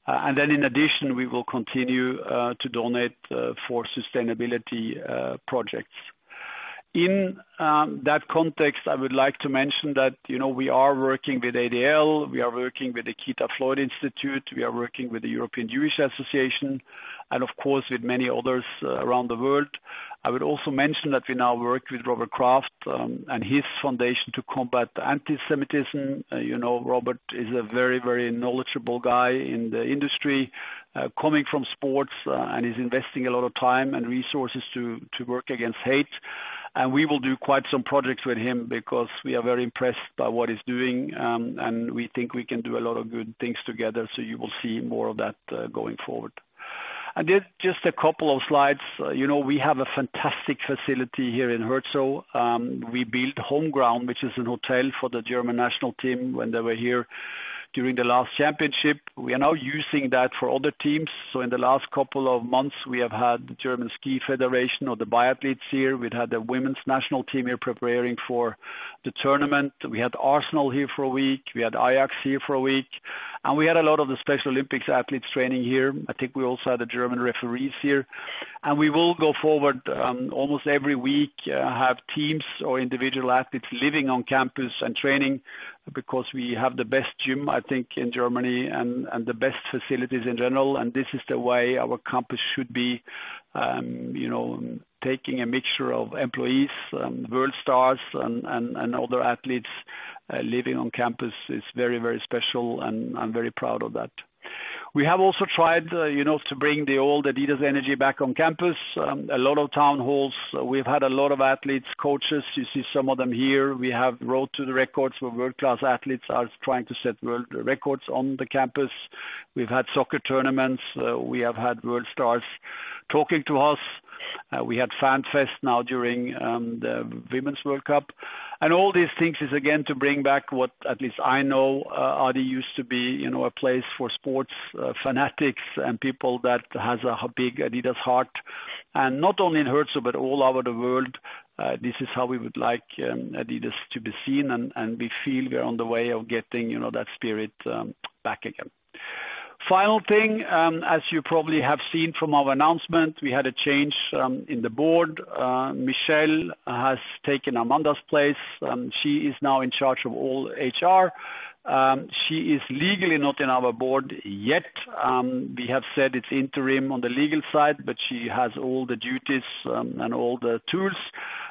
In addition, we will continue to donate for sustainability projects. In that context, I would like to mention that, you know, we are working with ADL, we are working with the Keith Floyd Institute, we are working with the European Jewish Association, and of course, with many others around the world. I would also mention that we now work with Robert Kraft and his Foundation to Combat Antisemitism. You know, Robert is a very, very knowledgeable guy in the industry, coming from sports, and he's investing a lot of time and resources to work against hate. We will do quite some projects with him because we are very impressed by what he's doing, and we think we can do a lot of good things together, so you will see more of that going forward. Just a couple of slides. You know, we have a fantastic facility here in Herzog. We built HomeGround, which is a hotel for the German national team when they were here during the last championship. We are now using that for other teams. In the last couple of months, we have had the German Ski Federation or the biathletes here. We've had the women's national team here preparing for the tournament. We had Arsenal here for one week. We had Ajax here for one week. We had a lot of the Special Olympics athletes training here. I think we also had the German referees here. We will go forward, almost every week, have teams or individual athletes living on campus and training, because we have the best gym, I think, in Germany, and, and the best facilities in general. This is the way our campus should be, you know, taking a mixture of employees, world stars and, and, and other athletes, living on campus is very, very special, and I'm very proud of that. We have also tried, you know, to bring the old adidas energy back on campus, a lot of town halls. We've had a lot of athletes, coaches, you see some of them here. We have Road to Records, where world-class athletes are trying to set world records on the campus. We've had soccer tournaments. We have had world stars talking to us. We had fan fest now during the Women's World Cup. All these things is, again, to bring back what at least I know, adidas used to be, you know, a place for sports, fanatics and people that has a big adidas heart, and not only in Herzog, but all over the world. This is how we would like adidas to be seen, and we feel we are on the way of getting, you know, that spirit back again. Final thing, as you probably have seen from our announcement, we had a change in the board. Michelle has taken Amanda's place, and she is now in charge of all HR. She is legally not in our board yet, we have said it's interim on the legal side, but she has all the duties and all the tools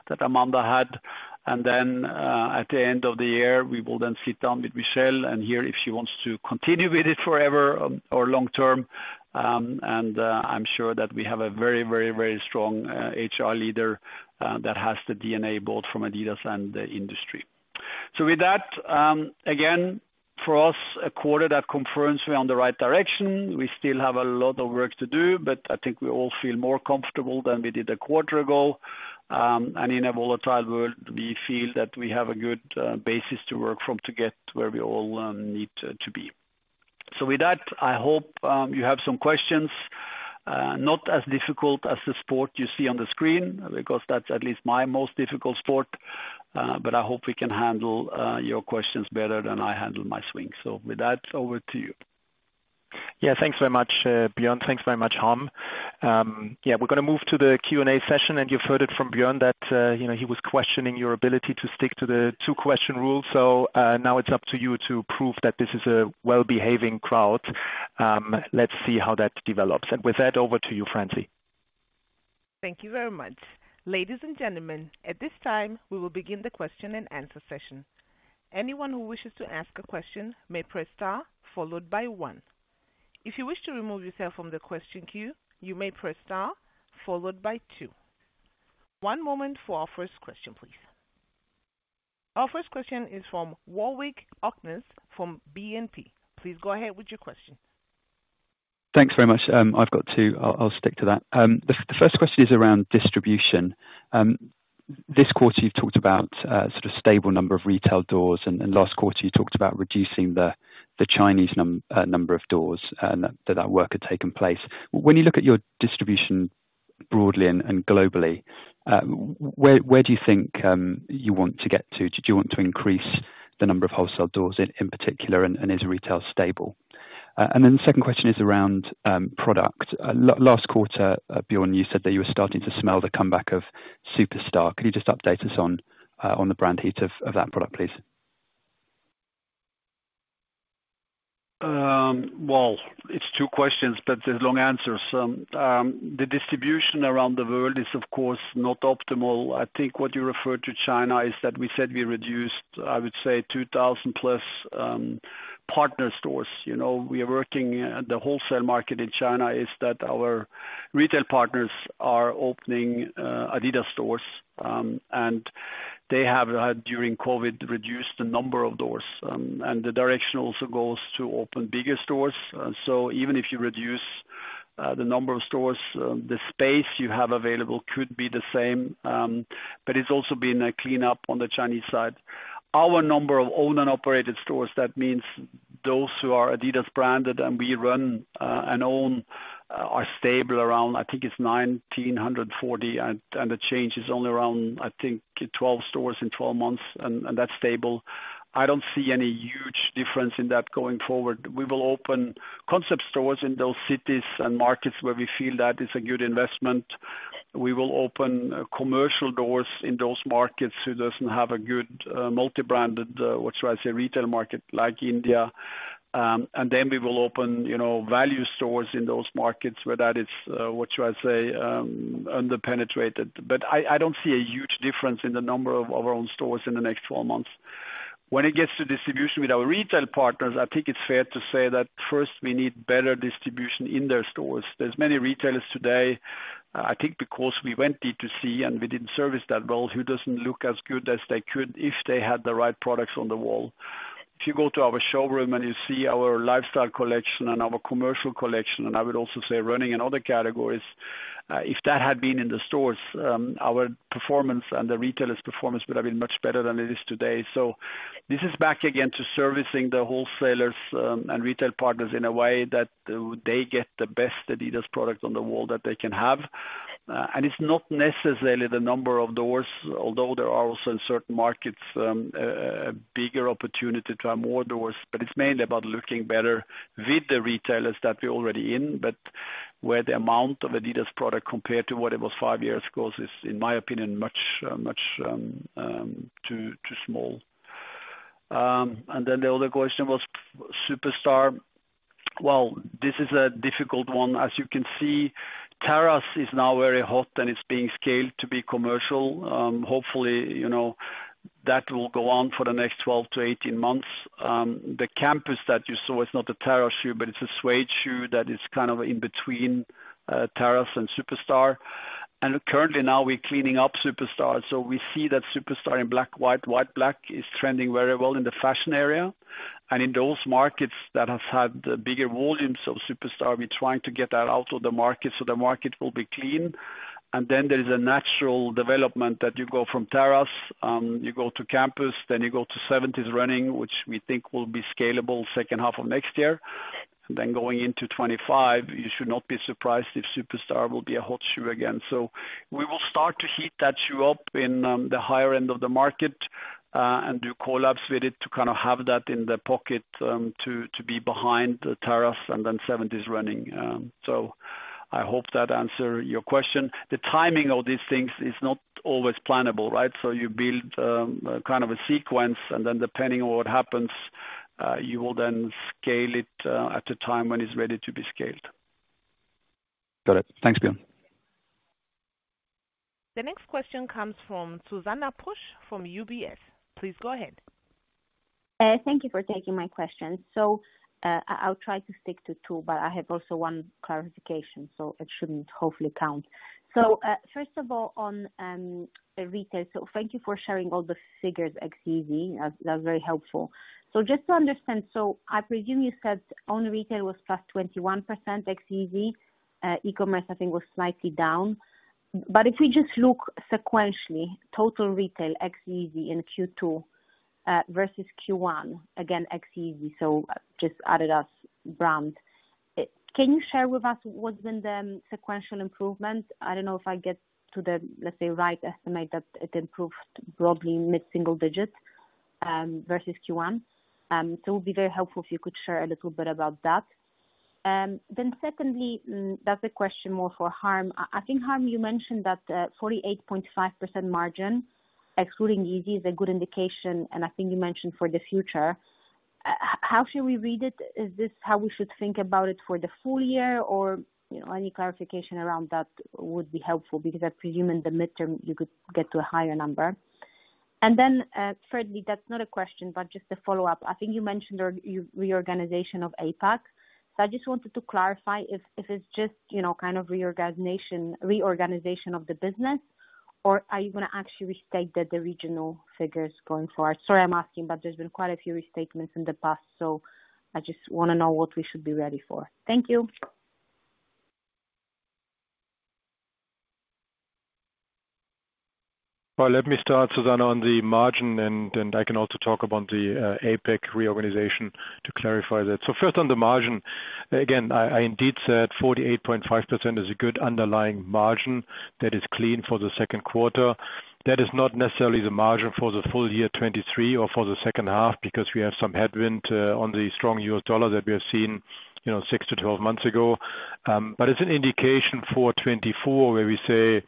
that Amanda had. At the end of the year, we will then sit down with Michelle and hear if she wants to continue with it forever, or long term. I'm sure that we have a very, very, very strong HR leader that has the DNA, both from adidas and the industry. With that, again, for us, a quarter that confirms we're on the right direction. We still have a lot of work to do, but I think we all feel more comfortable than we did a quarter ago. In a volatile world, we feel that we have a good basis to work from to get where we all need to be. With that, I hope you have some questions, not as difficult as the sport you see on the screen, because that's at least my most difficult sport. I hope we can handle your questions better than I handle my swing. With that, over to you. Yeah, thanks very much, Bjørn. Thanks very much, Harm. Yeah, we're gonna move to the Q&A session. You've heard it from Bjørn, that, you know, he was questioning your ability to stick to the 2-question rule. Now it's up to you to prove that this is a well-behaving crowd. Let's see how that develops. With that, over to you, Francie. Thank you very much. Ladies and gentlemen, at this time, we will begin the question-and-answer session. Anyone who wishes to ask a question may press star, followed by one. If you wish to remove yourself from the question queue, you may press star, followed by two. One moment for our first question, please. Our first question is from Warwick Okines, from BNP. Please go ahead with your question. Thanks very much. I've got two, I'll, I'll stick to that. The first question is around distribution. This quarter, you've talked about sort of stable number of retail doors, and last quarter, you talked about reducing the Chinese number of doors, and that, that work had taken place. When you look at your distribution broadly and globally, where, where do you think you want to get to? Do you want to increase the number of wholesale doors, in, in particular, and is retail stable? The second question is around product. Last quarter, Bjørn, you said that you were starting to smell the comeback of Superstar. Could you just update us on the brand heat of that product, please? Well, it's two questions, but there's long answers. The distribution around the world is, of course, not optimal. I think what you referred to China is that we said we reduced, I would say, 2,000 plus partner stores. You know, we are working at the wholesale market in China, is that our retail partners are opening adidas stores, and they have, during COVID, reduced the number of doors. The direction also goes to open bigger stores. Even if you reduce the number of stores, the space you have available could be the same, but it's also been a clean up on the Chinese side. Our number of owned and operated stores, that means those who are adidas branded, we run, and own, are stable around, I think it's 1,940, the change is only around, I think, 12 stores in 12 months, that's stable. I don't see any huge difference in that going forward. We will open concept stores in those cities and markets where we feel that it's a good investment. We will open commercial doors in those markets who doesn't have a good, multi-branded, what should I say? Retail market, like India. Then we will open, you know, value stores in those markets where that is, what should I say, under-penetrated. I, I don't see a huge difference in the number of our own stores in the next four months. When it gets to distribution with our retail partners, I think it's fair to say that first, we need better distribution in their stores. There's many retailers today, I think because we went D2C, we didn't service that well, who doesn't look as good as they could if they had the right products on the wall. If you go to our showroom and you see our lifestyle collection and our commercial collection, I would also say running and other categories, if that had been in the stores, our performance and the retailers' performance would have been much better than it is today. This is back again to servicing the wholesalers, and retail partners in a way that they get the best Adidas product on the wall that they can have. It's not necessarily the number of doors, although there are also in certain markets, a bigger opportunity to have more doors, but it's mainly about looking better with the retailers that we're already in, but where the amount of adidas product compared to what it was five years ago is, in my opinion, much, much too, too small. Then the other question was Superstar. Well, this is a difficult one. As you can see, Terrace is now very hot, and it's being scaled to be commercial. Hopefully, you know, that will go on for the next 12 to 18 months. The Campus that you saw is not a Terrace shoe, but it's a suede shoe that is kind of in between, Terrace and Superstar. Currently, now we're cleaning up Superstar, so we see that Superstar in black, white, white, black is trending very well in the fashion area. In those markets that have had the bigger volumes of Superstar, we're trying to get that out of the market, so the market will be clean. Then there is a natural development that you go from Terrace, you go to Campus, then you go to 70s Running, which we think will be scalable second half of next year. Going into 2025, you should not be surprised if Superstar will be a hot shoe again. We will start to heat that shoe up in the higher end of the market and do collabs with it to kind of have that in the pocket to be behind the Terrace and then 70s Running. I hope that answer your question. The timing of these things is not always plannable, right? You build, kind of a sequence, and then depending on what happens, you will then scale it, at the time when it's ready to be scaled. Got it. Thanks, Bjørn. The next question comes from Zuzanna Pusz, from UBS. Please go ahead. Thank you for taking my question. I, I'll try to stick to two, but I have also 1 clarification, so it shouldn't hopefully count. First of all, on retail. Thank you for sharing all the figures ex Yeezy, that's, that's very helpful. Just to understand, I presume you said own retail was +21% ex Yeezy. E-commerce, I think, was slightly down. If we just look sequentially, total retail ex Yeezy in Q2 versus Q1, again, ex Yeezy, just adidas brand. Can you share with us what's been the sequential improvement? I don't know if I get to the, let's say, right estimate that it improved broadly in mid-single digits versus Q1. It would be very helpful if you could share a little bit about that. Secondly, that's a question more for Harm. I think, Harm, you mentioned that 48.5% margin, excluding Yeezy, is a good indication, and I think you mentioned for the future. How should we read it? Is this how we should think about it for the full year, or, you know, any clarification around that would be helpful? Because I presume in the midterm, you could get to a higher number. Thirdly, that's not a question, but just a follow-up. I think you mentioned your reorganization of APAC. I just wanted to clarify if it's just, you know, kind of reorganization, reorganization of the business, or are you gonna actually restate the regional figures going forward? Sorry, I'm asking, but there's been quite a few restatements in the past, so I just wanna know what we should be ready for. Thank you. Well, let me start, Susanna, on the margin, then, I can also talk about the APAC reorganization to clarify that. First, on the margin, again, I, I indeed said 48.5% is a good underlying margin that is clean for the second quarter. That is not necessarily the margin for the full year 2023 or for the second half, because we have some headwind on the strong U.S. dollar that we have seen, you know, 6-12 months ago. It's an indication for 2024, where we say,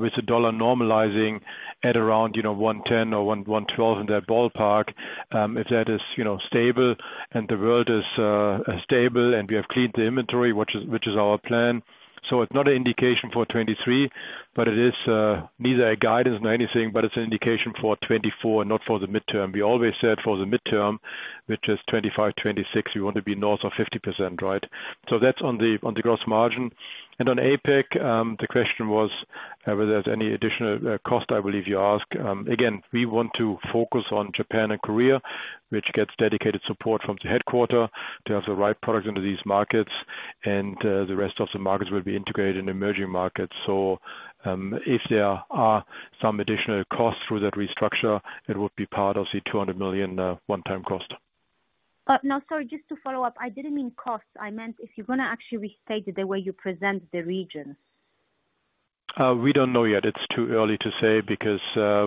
with the dollar normalizing at around, you know, 1.10 or 1.12, in that ballpark, if that is, you know, stable and the world is stable, and we have cleaned the inventory, which is, which is our plan. It's not an indication for 2023, but it is neither a guidance nor anything, but it's an indication for 2024, not for the midterm. We always said for the midterm, which is 2025, 2026, we want to be north of 50%, right? That's on the, on the gross margin. On APAC, the question was whether there's any additional cost, I believe you ask. Again, we want to focus on Japan and Korea, which gets dedicated support from the headquarter to have the right products into these markets. The rest of the markets will be integrated in emerging markets. If there are some additional costs through that restructure, it would be part of the $200 million one-time cost. No, sorry, just to follow up. I didn't mean costs. I meant if you're gonna actually restate the way you present the regions. We don't know yet. It's too early to say because,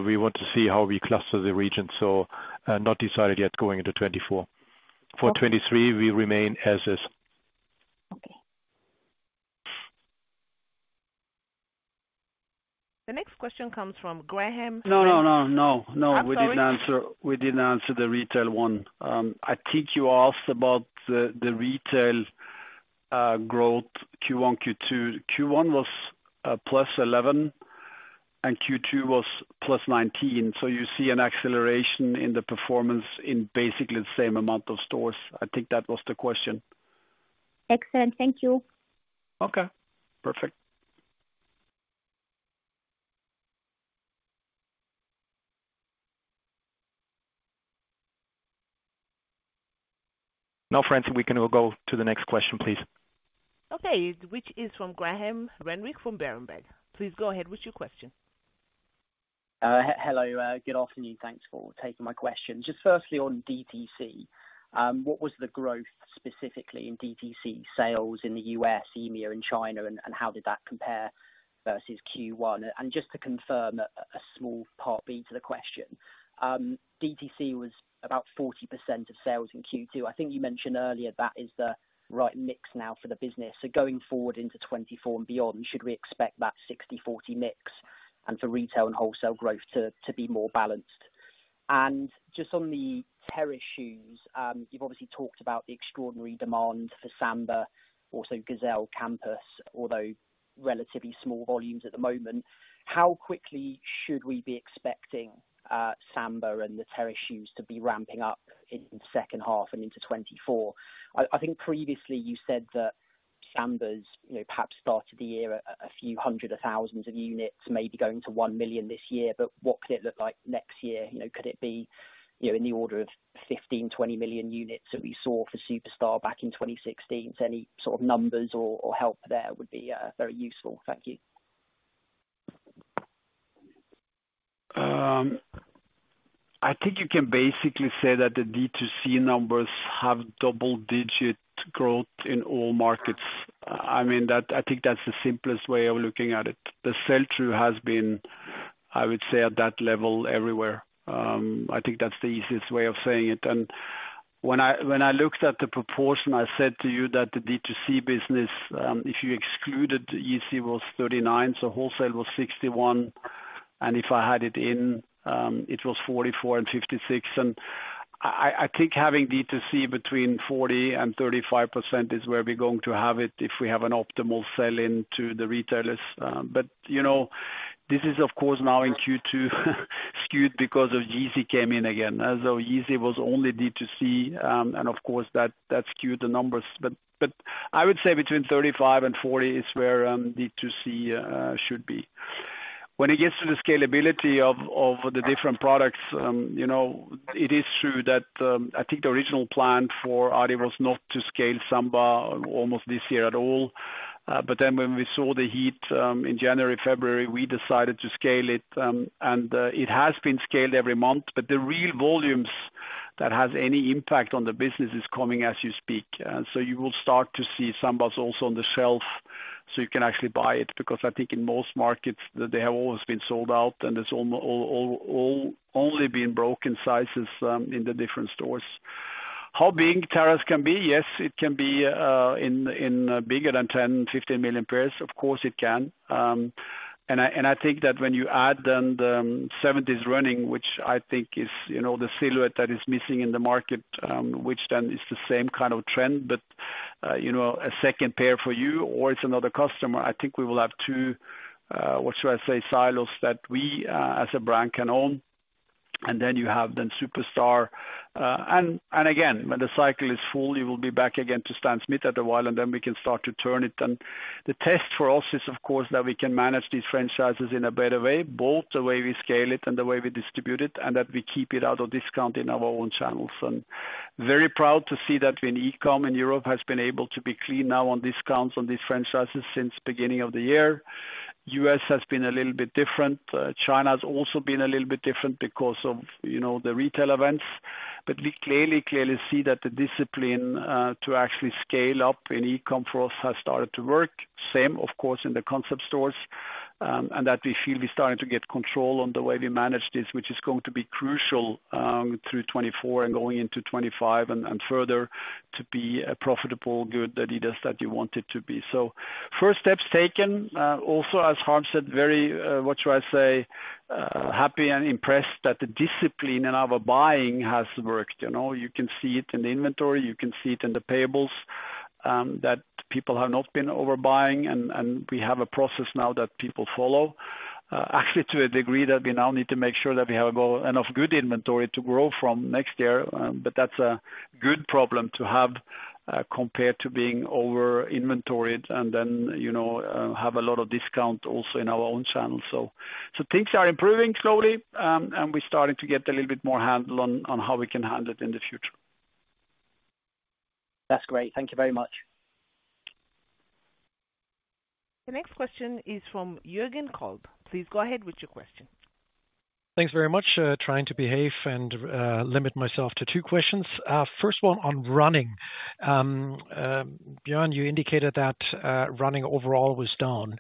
we want to see how we cluster the regions, so, not decided yet going into 2024. Okay. For 2023, we remain as is. Okay. The next question comes from Graham- No, no, no, no, no. I'm sorry. We didn't answer, we didn't answer the retail one. I think you asked about the, the retail growth Q1, Q2. Q1 was +11, and Q2 was +19, so you see an acceleration in the performance in basically the same amount of stores. I think that was the question. Excellent. Thank you. Okay, perfect. Now, Fran, we can now go to the next question, please. Okay, which is from Graham Renwick, from Berenberg. Please go ahead with your question. Hello, good afternoon. Thanks for taking my questions. Just firstly, on DTC, what was the growth specifically in DTC sales in the U.S., EMEA and China, and how did that compare versus Q1? Just to confirm, a small part B to the question, DTC was about 40% of sales in Q2. I think you mentioned earlier that is the right mix now for the business. Going forward into 2024 and beyond, should we expect that 60/40 mix, and for retail and wholesale growth to be more balanced? Just on the Terrace shoes, you've obviously talked about the extraordinary demand for Samba, also Gazelle, Campus, although relatively small volumes at the moment. How quickly should we be expecting Samba and the Terrace shoes to be ramping up in second half and into 2024? I, I think previously you said that Sambas, you know, perhaps started the year a few hundred of thousands of units, maybe going to 1 million this year. What could it look like next year? You know, could it be, you know, in the order of 15-20 million units that we saw for Superstar back in 2016? Any sort of numbers or help there would be very useful. Thank you. I think you can basically say that the DTC numbers have double-digit growth in all markets. I mean that's the simplest way of looking at it. The sell-through has been, I would say, at that level everywhere. I think that's the easiest way of saying it. When I, when I looked at the proportion, I said to you that the DTC business, if you excluded Yeezy, was 39%, so wholesale was 61%, and if I had it in, it was 44% and 56%. I think having DTC between 40% and 35% is where we're going to have it if we have an optimal sell-in to the retailers. You know, this is, of course, now in Q2, skewed because of Yeezy came in again, as though Yeezy was only DTC, and of course, that, that skewed the numbers. I would say between 35 and 40 is where DTC should be. When it gets to the scalability of, of the different products, you know, it is true that I think the original plan for Adi was not to scale Samba almost this year at all. Then when we saw the heat, in January, February, we decided to scale it, and it has been scaled every month. The real volumes that has any impact on the business is coming as you speak. You will start to see Sambas also on the shelf, so you can actually buy it, because I think in most markets, they have always been sold out, and it's only been broken sizes in the different stores. How big Terrace can be? Yes, it can be in bigger than 10-15 million pairs. Of course, it can. I, and I think that when you add then the 70s Running, which I think is, you know, the silhouette that is missing in the market, which then is the same kind of trend, but, you know, a second pair for you or it's another customer, I think we will have two, what should I say? Silos that we as a brand can own. You have then Superstar. Again, when the cycle is full, you will be back again to Stan Smith after a while, and then we can start to turn it. The test for us is, of course, that we can manage these franchises in a better way, both the way we scale it and the way we distribute it, and that we keep it out of discount in our own channels. Very proud to see that in e-commerce in Europe has been able to be clean now on discounts on these franchises since beginning of the year. U.S. has been a little bit different. China's also been a little bit different because of, you know, the retail events. We clearly, clearly see that the discipline to actually scale up in e-commerce for us has started to work. Same, of course, in the concept stores, and that we feel we're starting to get control on the way we manage this, which is going to be crucial, through 2024 and going into 2025 and, and further, to be a profitable, good adidas that you want it to be. First steps taken, also, as Harm said, very, what should I say? Happy and impressed that the discipline in our buying has worked. You know, you can see it in the inventory, you can see it in the payables, that people have not been overbuying, and, and we have a process now that people follow. Actually, to a degree that we now need to make sure that we have enough good inventory to grow from next year. That's a good problem to have compared to being over-inventoried and then, you know, have a lot of discount also in our own channels. Things are improving slowly, and we're starting to get a little bit more handle on, on how we can handle it in the future. That's great. Thank you very much. The next question is from Jürgen Kolb. Please go ahead with your question. Thanks very much. trying to behave and limit myself to two questions. First one on running. Bjørn, you indicated that running overall was down,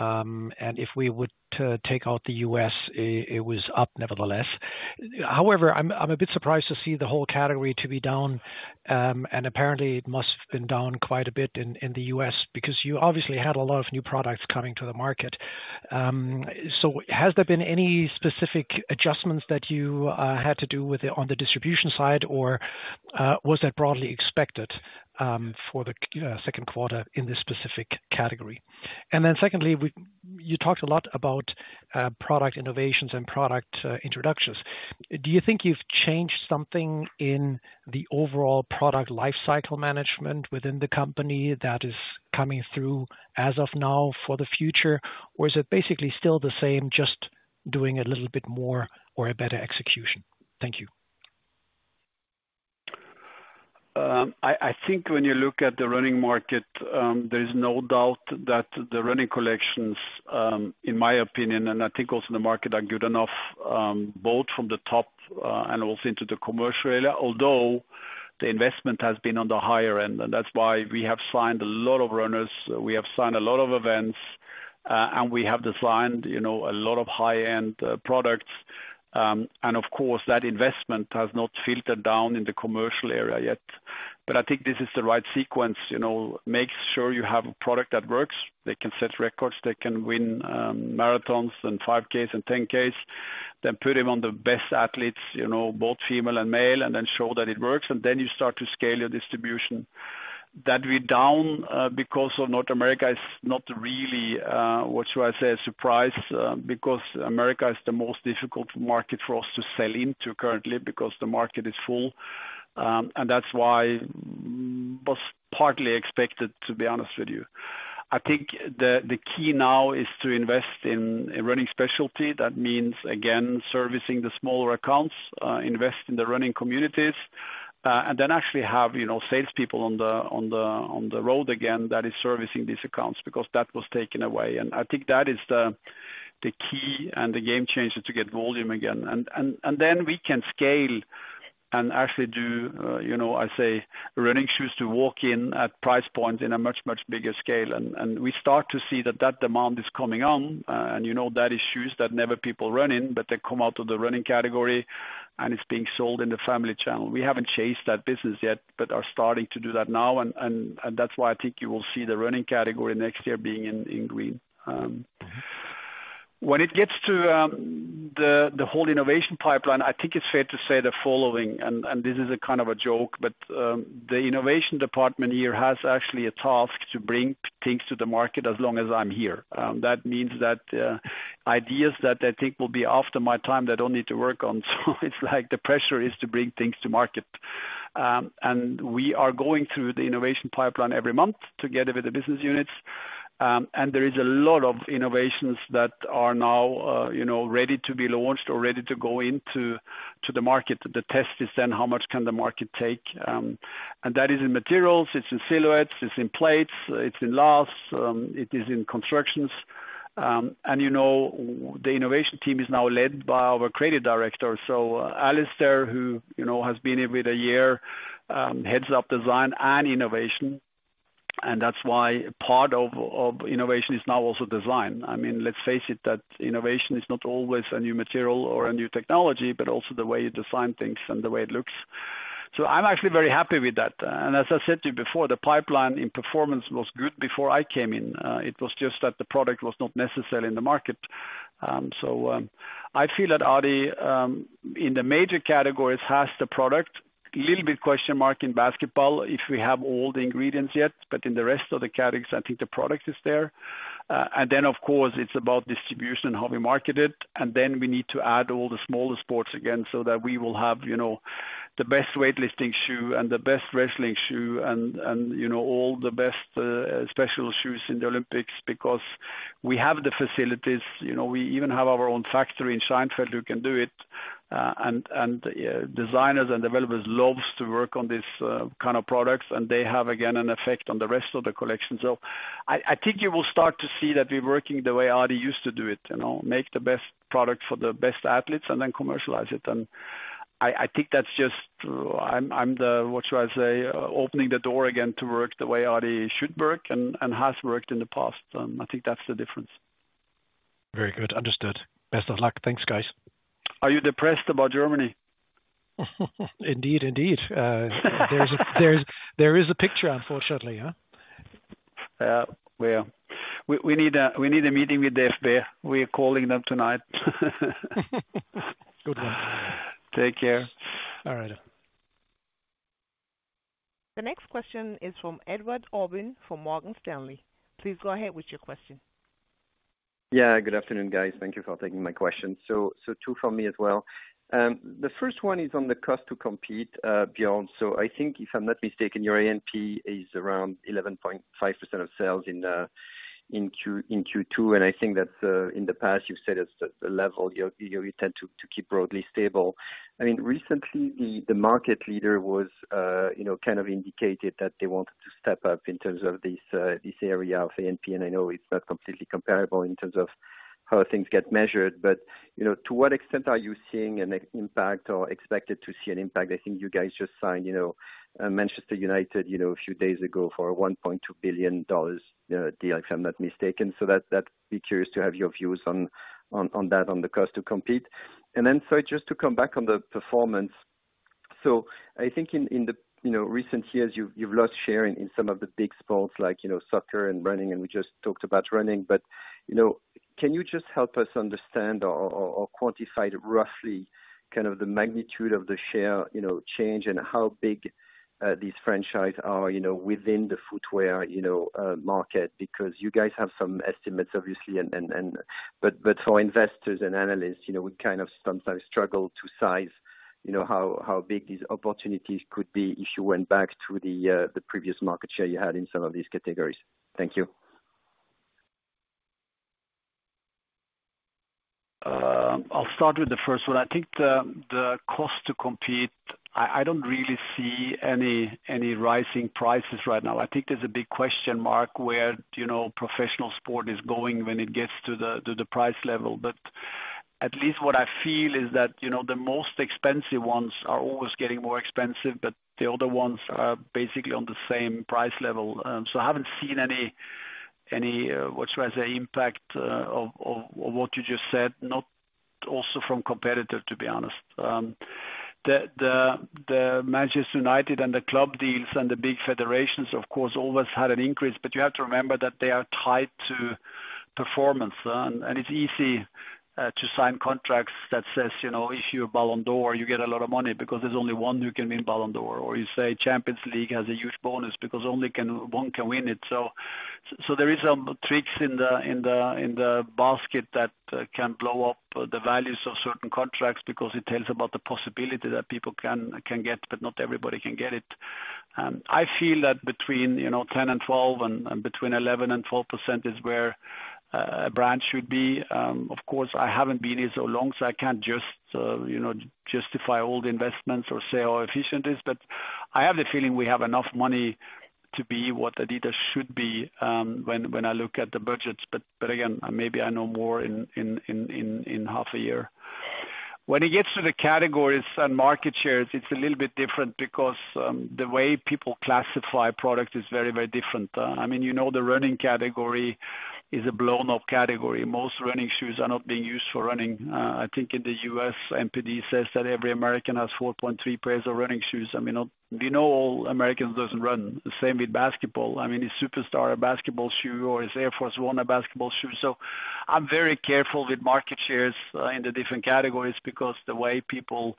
and if we were to take out the U.S., it, it was up nevertheless. However, I'm, I'm a bit surprised to see the whole category to be down, and apparently, it must have been down quite a bit in, in the U.S., because you obviously had a lot of new products coming to the market. So has there been any specific adjustments that you had to do with the, on the distribution side, or was that broadly expected for the second quarter in this specific category? Secondly, we-- you talked a lot about product innovations and product introductions. Do you think you've changed something in the overall product life cycle management within the company that is coming through as of now for the future, or is it basically still the same, just doing a little bit more or a better execution? Thank you. I think when you look at the running market, there is no doubt that the running collections, in my opinion, and I think also in the market, are good enough, both from the top, and also into the commercial area. Although the investment has been on the higher end, and that's why we have signed a lot of runners, we have signed a lot of events, and we have designed, you know, a lot of high-end products. Of course, that investment has not filtered down in the commercial area yet. I think this is the right sequence, you know, make sure you have a product that works. They can set records, they can win, marathons and 5 Ks and 10 Ks, then put them on the best athletes, you know, both female and male, and then show that it works, and then you start to scale your distribution. That we're down, because of North America, is not really, what should I say? A surprise, because America is the most difficult market for us to sell into currently, because the market is full. That's why was partly expected, to be honest with you. I think the, the key now is to invest in, in running specialty. That means, again, servicing the smaller accounts, invest in the running communities, and then actually have, you know, salespeople on the, on the, on the road again, that is servicing these accounts, because that was taken away. I think that is the, the key and the game changer to get volume again. And, and then we can scale and actually do, you know, I say, running shoes to walk in at price point in a much, much bigger scale. And we start to see that that demand is coming on, and you know, that is shoes that never people run in, but they come out of the running category, and it's being sold in the family channel. We haven't chased that business yet, but are starting to do that now, and, and, and that's why I think you will see the running category next year being in, in green. When it gets to the whole innovation pipeline, I think it's fair to say the following. The innovation department here has actually a task to bring things to the market as long as I'm here. That means that ideas that I think will be after my time, they don't need to work on. The pressure is to bring things to market. We are going through the innovation pipeline every month, together with the business units. There is a lot of innovations that are now ready to be launched or ready to go into the market. The test is then how much can the market take? That is in materials, it's in silhouettes, it's in plates, it's in lasts, it is in constructions. You know, the innovation team is now led by our creative director. Alistair, who, you know, has been here with a year, heads up design and innovation, and that's why part of innovation is now also design. I mean, let's face it, that innovation is not always a new material or a new technology, but also the way you design things and the way it looks. I'm actually very happy with that. As I said to you before, the pipeline in performance was good before I came in, it was just that the product was not necessarily in the market. I feel that Adi in the major categories, has the product. Little bit question mark in basketball, if we have all the ingredients yet, but in the rest of the categories, I think the product is there. Then, of course, it's about distribution, how we market it, and then we need to add all the smaller sports again, so that we will have, you know, the best weightlifting shoe and the best wrestling shoe and, you know, all the best, special shoes in the Olympics, because we have the facilities. You know, we even have our own factory in Scheinfeld who can do it. Designers and developers loves to work on these, kind of products, and they have, again, an effect on the rest of the collection. I, I think you will start to see that we're working the way Adi used to do it, you know, make the best products for the best athletes and then commercialize it. I, I think that's just. I'm, I'm the, what should I say? Opening the door again to work the way Adi should work and, and has worked in the past. I think that's the difference. Very good. Understood. Best of luck. Thanks, guys. Are you depressed about Germany? Indeed, indeed. There's there is, there is a picture, unfortunately, huh? Well, we, we need a, we need a meeting with DFB. We are calling them tonight. Good one. Take care. All right. The next question is from Edouard Aubin, from Morgan Stanley. Please go ahead with your question. Yeah, good afternoon, guys. Thank you for taking my question. Two for me as well. The first one is on the cost to compete beyond. I think, if I'm not mistaken, your ANP is around 11.5% of sales in Q2, and I think that in the past you've said it's a level you tend to keep broadly stable. I mean, recently, the market leader was, you know, kind of indicated that they wanted to step up in terms of this area of ANP, and I know it's not completely comparable in terms of how things get measured, but, you know, to what extent are you seeing an impact or expected to see an impact? I think you guys just signed, you know, Manchester United, you know, a few days ago for $1.2 billion deal, if I'm not mistaken. That be curious to have your views on, on, on that, on the cost to compete. Just to come back on the performance: I think in the, you know, recent years, you've lost share in some of the big sports, like, you know, soccer and running, and we just talked about running. You know, can you just help us understand or quantify it roughly, kind of the magnitude of the share, you know, change and how big these franchises are, you know, within the footwear, you know, market? Because you guys have some estimates, obviously, and then, and... For investors and analysts, you know, we kind of sometimes struggle to size, you know, how, how big these opportunities could be if you went back to the previous market share you had in some of these categories. Thank you. I'll start with the first one. I think the, the cost to compete, I, I don't really see any, any rising prices right now. I think there's a big question mark where, you know, professional sport is going when it gets to the, to the price level. At least what I feel is that, you know, the most expensive ones are always getting more expensive, but the other ones are basically on the same price level. So I haven't seen any, any, what you say, impact, of, of, of what you just said, not also from competitor, to be honest. The, the, the Manchester United and the club deals and the big federations, of course, always had an increase, but you have to remember that they are tied to performance. It's easy, to sign contracts that says, you know, if you're Ballon d'Or, you get a lot of money because there's only one who can win Ballon d'Or. You say Champions League has a huge bonus because only one can win it. There is some tricks in the, in the, in the basket that can blow up the values of certain contracts because it tells about the possibility that people can, can get, but not everybody can get it. I feel that between, you know, 10 and 12, between 11 and 12% is where a brand should be. Of course, I haven't been here so long, so I can't just, you know, justify all the investments or say how efficient it is, but I have the feeling we have enough money to be what adidas should be, when, when I look at the budgets. But again, maybe I know more in, in, in, in, in half a year. When it gets to the categories and market shares, it's a little bit different because, the way people classify a product is very, very different. I mean, you know, the running category is a blown-up category. Most running shoes are not being used for running. I think in the U.S., NPD says that every American has 4.3 pairs of running shoes. I mean, not, we know all Americans doesn't run. The same with basketball. I mean, is Superstar a basketball shoe, or is Air Force 1 a basketball shoe? I'm very careful with market shares in the different categories because the way people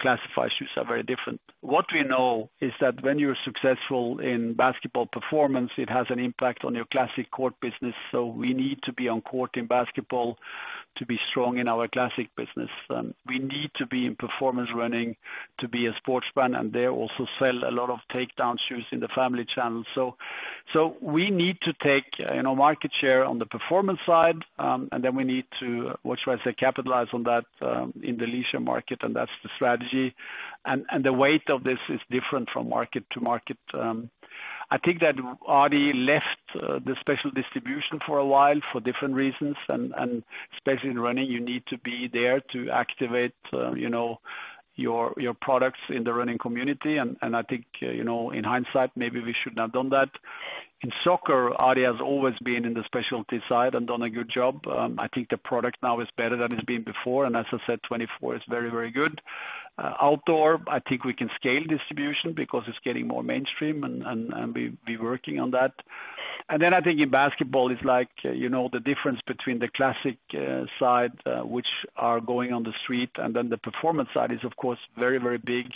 classify shoes are very different. What we know is that when you're successful in basketball performance, it has an impact on your classic court business, so we need to be on court in basketball to be strong in our classic business. We need to be in performance running to be a sports brand, and they also sell a lot of takedown shoes in the family channel. We need to take, you know, market share on the performance side, and then we need to, what should I say, capitalize on that in the leisure market, and that's the strategy. The weight of this is different from market to market. I think that Adi left the special distribution for a while for different reasons, and especially in running, you need to be there to activate, you know, your products in the running community. I think, you know, in hindsight, maybe we should not done that. In soccer, Adi has always been in the specialty side and done a good job. I think the product now is better than it's been before, and as I said, 24 is very, very good. Outdoor, I think we can scale distribution because it's getting more mainstream and we'll be working on that. Then I think in basketball, it's like, you know, the difference between the classic side, which are going on the street, and then the performance side is, of course, very, very big,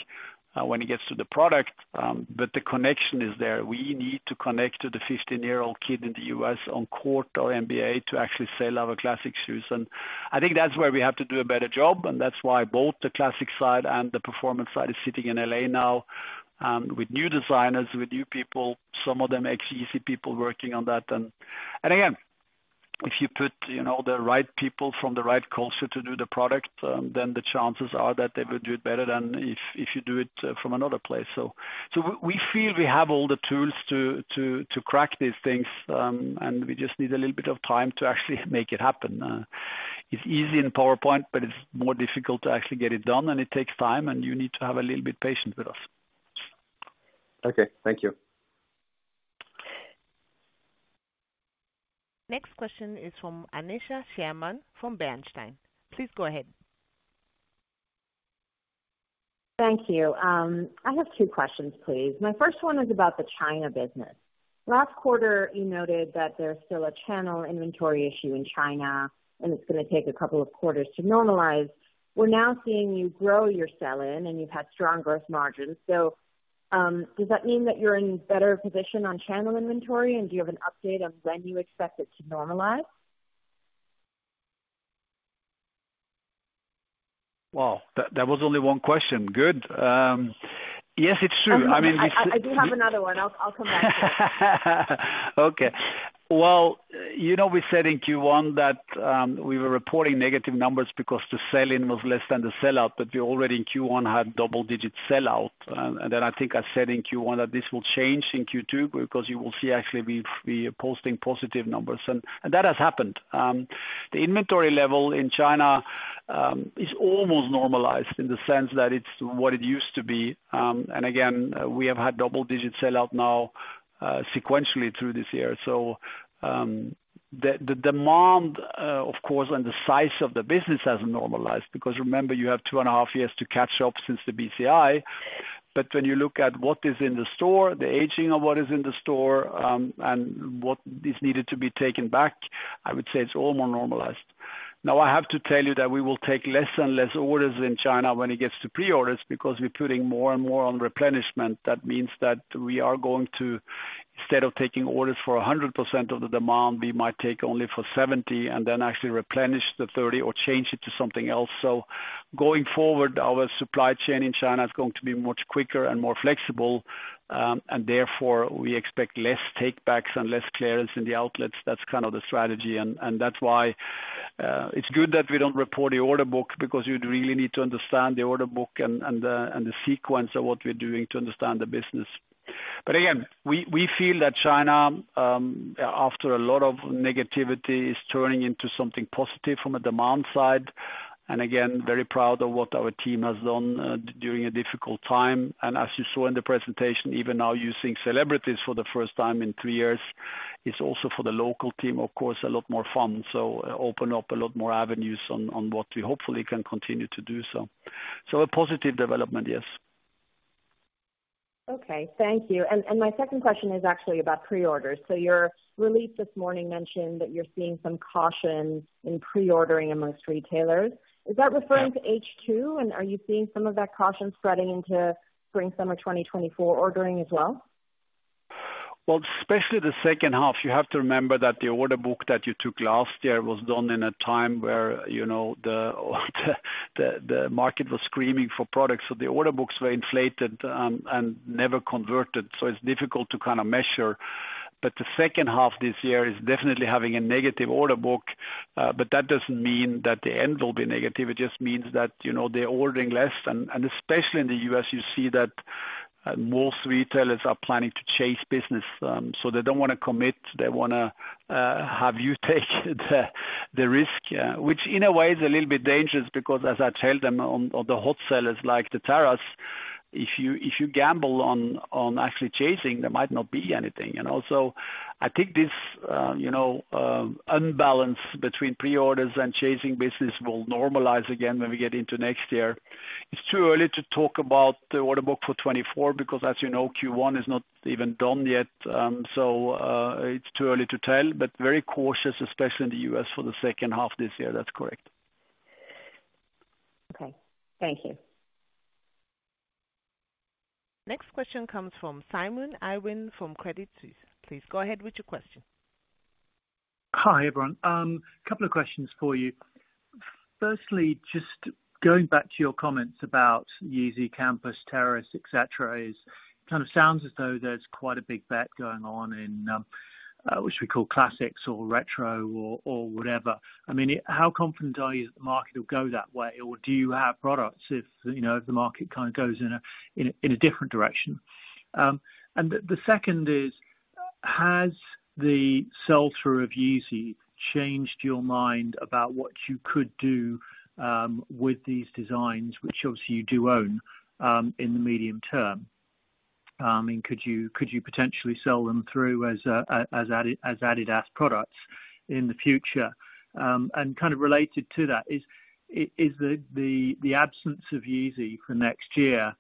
when it gets to the product, but the connection is there. We need to connect to the 15-year-old kid in the U.S. on court or NBA to actually sell our classic shoes. I think that's where we have to do a better job, and that's why both the classic side and the performance side is sitting in L.A. now, with new designers, with new people. Some of them actually you see people working on that. And again, if you put, you know, the right people from the right culture to do the product, then the chances are that they will do it better than if, if you do it from another place. So we, we feel we have all the tools to, to, to crack these things, and we just need a little bit of time to actually make it happen. It's easy in a PowerPoint, but it's more difficult to actually get it done, and it takes time, and you need to have a little bit patience with us. Okay, thank you. Next question is from Aneesha Sherman from Bernstein. Please go ahead. Thank you. I have two questions, please. My first one is about the China business. Last quarter, you noted that there's still a channel inventory issue in China, and it's gonna take a couple of quarters to normalize. We're now seeing you grow your sell-in, and you've had strong growth margins. Does that mean that you're in better position on channel inventory, and do you have an update on when you expect it to normalize? Wow! That was only one question. Good. Yes, it's true. I mean- I do have another one. I'll, I'll come back to it. Okay. Well, you know, we said in Q1 that we were reporting negative numbers because the sell-in was less than the sellout, but we already in Q1 had double-digit sellout. Then I think I said in Q1 that this will change in Q2 because you will see actually we, we are posting positive numbers, and that has happened. The inventory level in China is almost normalized in the sense that it's what it used to be. Again, we have had double-digit sellout now, sequentially through this year. Demand, of course, and the size of the business hasn't normalized, because remember, you have two and a half years to catch up since the BCI. When you look at what is in the store, the aging of what is in the store, and what is needed to be taken back, I would say it's all more normalized. Now, I have to tell you that we will take less and less orders in China when it gets to pre-orders, because we're putting more and more on replenishment. That means that we are going to, instead of taking orders for 100% of the demand, we might take only for 70, and then actually replenish the 30 or change it to something else. Going forward, our supply chain in China is going to be much quicker and more flexible, and therefore we expect less takebacks and less clearance in the outlets. That's kind of the strategy, and, and that's why, it's good that we don't report the order book, because you'd really need to understand the order book and, and the, and the sequence of what we're doing to understand the business. Again, we, we feel that China, after a lot of negativity, is turning into something positive from a demand side, and again, very proud of what our team has done, during a difficult time. As you saw in the presentation, even now, using celebrities for the first time in two years, is also for the local team, of course, a lot more fun, open up a lot more avenues on, on what we hopefully can continue to do so. A positive development, yes. Okay, thank you. My second question is actually about pre-orders. Your release this morning mentioned that you're seeing some caution in pre-ordering amongst retailers. Is that referring to H2, and are you seeing some of that caution spreading into spring/summer 2024 ordering as well? Well, especially the second half, you have to remember that the order book that you took last year was done in a time where, you know, the, the, the market was screaming for products, so the order books were inflated, and never converted. It's difficult to kind of measure. The second half this year is definitely having a negative order book, but that doesn't mean that the end will be negative. It just means that, you know, they're ordering less, and, and especially in the U.S., you see that, most retailers are planning to chase business. They don't wanna commit, they wanna have you take the, the risk, which, in a way, is a little bit dangerous, because as I tell them, on the hot sellers like the Terrace, if you, if you gamble on, on actually chasing, there might not be anything. Also, I think this, you know, unbalance between pre-orders and chasing business will normalize again when we get into next year. It's too early to talk about the order book for 2024, because, as you know, Q1 is not even done yet, it's too early to tell, but very cautious, especially in the U.S., for the second half this year. That's correct. Okay, thank you. Next question comes from Simon Irwin from Credit Suisse. Please go ahead with your question. Hi, everyone. Couple of questions for you. Firstly, just going back to your comments about Yeezy, Campus, Terrace, et cetera, is, kind of sounds as though there's quite a big bet going on in what we call classics or retro or, or whatever. I mean, how confident are you that the market will go that way, or do you have products if, you know, the market kind of goes in a different direction? The second is, has the sell-through of Yeezy changed your mind about what you could do with these designs, which obviously you do own in the medium term? Could you, could you potentially sell them through as Adidas products in the future? Kind of related to that, is, is, is the, the, the absence of Yeezy for next year,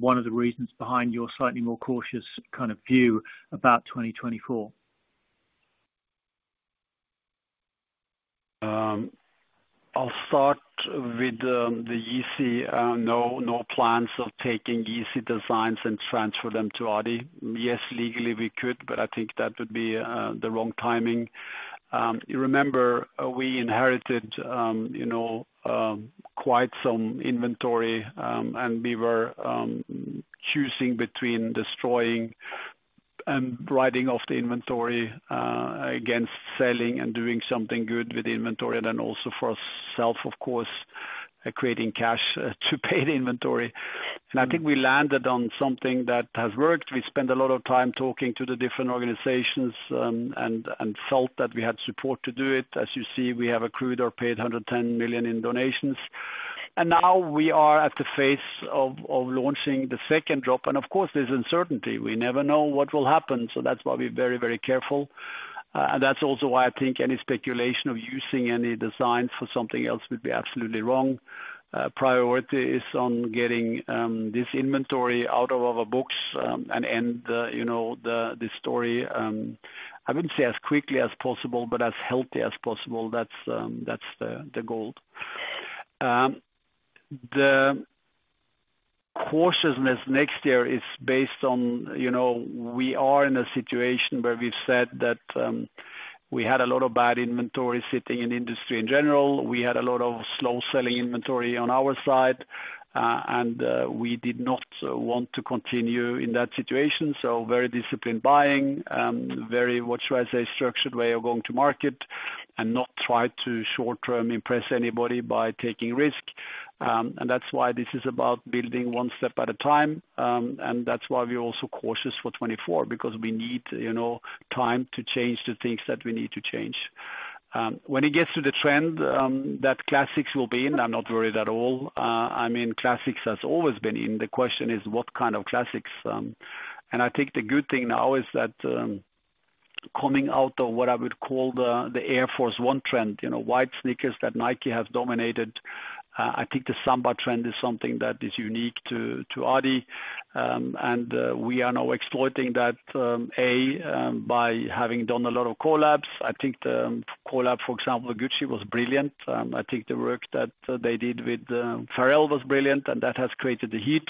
one of the reasons behind your slightly more cautious kind of view about 2024? I'll start with the Yeezy. No, no plans of taking Yeezy designs and transfer them to Adi. Yes, legally we could, but I think that would be the wrong timing. You remember, we inherited, you know, quite some inventory, and we were choosing between destroying and writing off the inventory, against selling and doing something good with the inventory, and then also for ourself, of course, creating cash, to pay the inventory. I think we landed on something that has worked. We spent a lot of time talking to the different organizations, and felt that we had support to do it. As you see, we have accrued or paid 110 million in donations. Now we are at the phase of, of launching the second drop, and of course, there's uncertainty. We never know what will happen, so that's why we're very, very careful. That's also why I think any speculation of using any designs for something else would be absolutely wrong. Priority is on getting this inventory out of our books and end, you know, the, the story, I wouldn't say as quickly as possible, but as healthy as possible. That's, that's the, the goal. The cautiousness next year is based on, you know, we are in a situation where we've said that we had a lot of bad inventory sitting in the industry in general. We had a lot of slow-selling inventory on our side, and we did not want to continue in that situation, so very disciplined buying, very, what should I say, structured way of going to market, and not try to short-term impress anybody by taking risk. That's why this is about building one step at a time, and that's why we're also cautious for 2024, because we need, you know, time to change the things that we need to change. When it gets to the trend that classics will be in, I'm not worried at all. I mean, classics has always been in. The question is, what kind of classics? I think the good thing now is that, coming out of what I would call the, the Air Force 1 trend, you know, white sneakers that Nike has dominated, I think the Samba trend is something that is unique to, to Adi, by having done a lot of collabs. I think the collab, for example, Gucci, was brilliant. I think the work that they did with Pharrell was brilliant, and that has created the heat.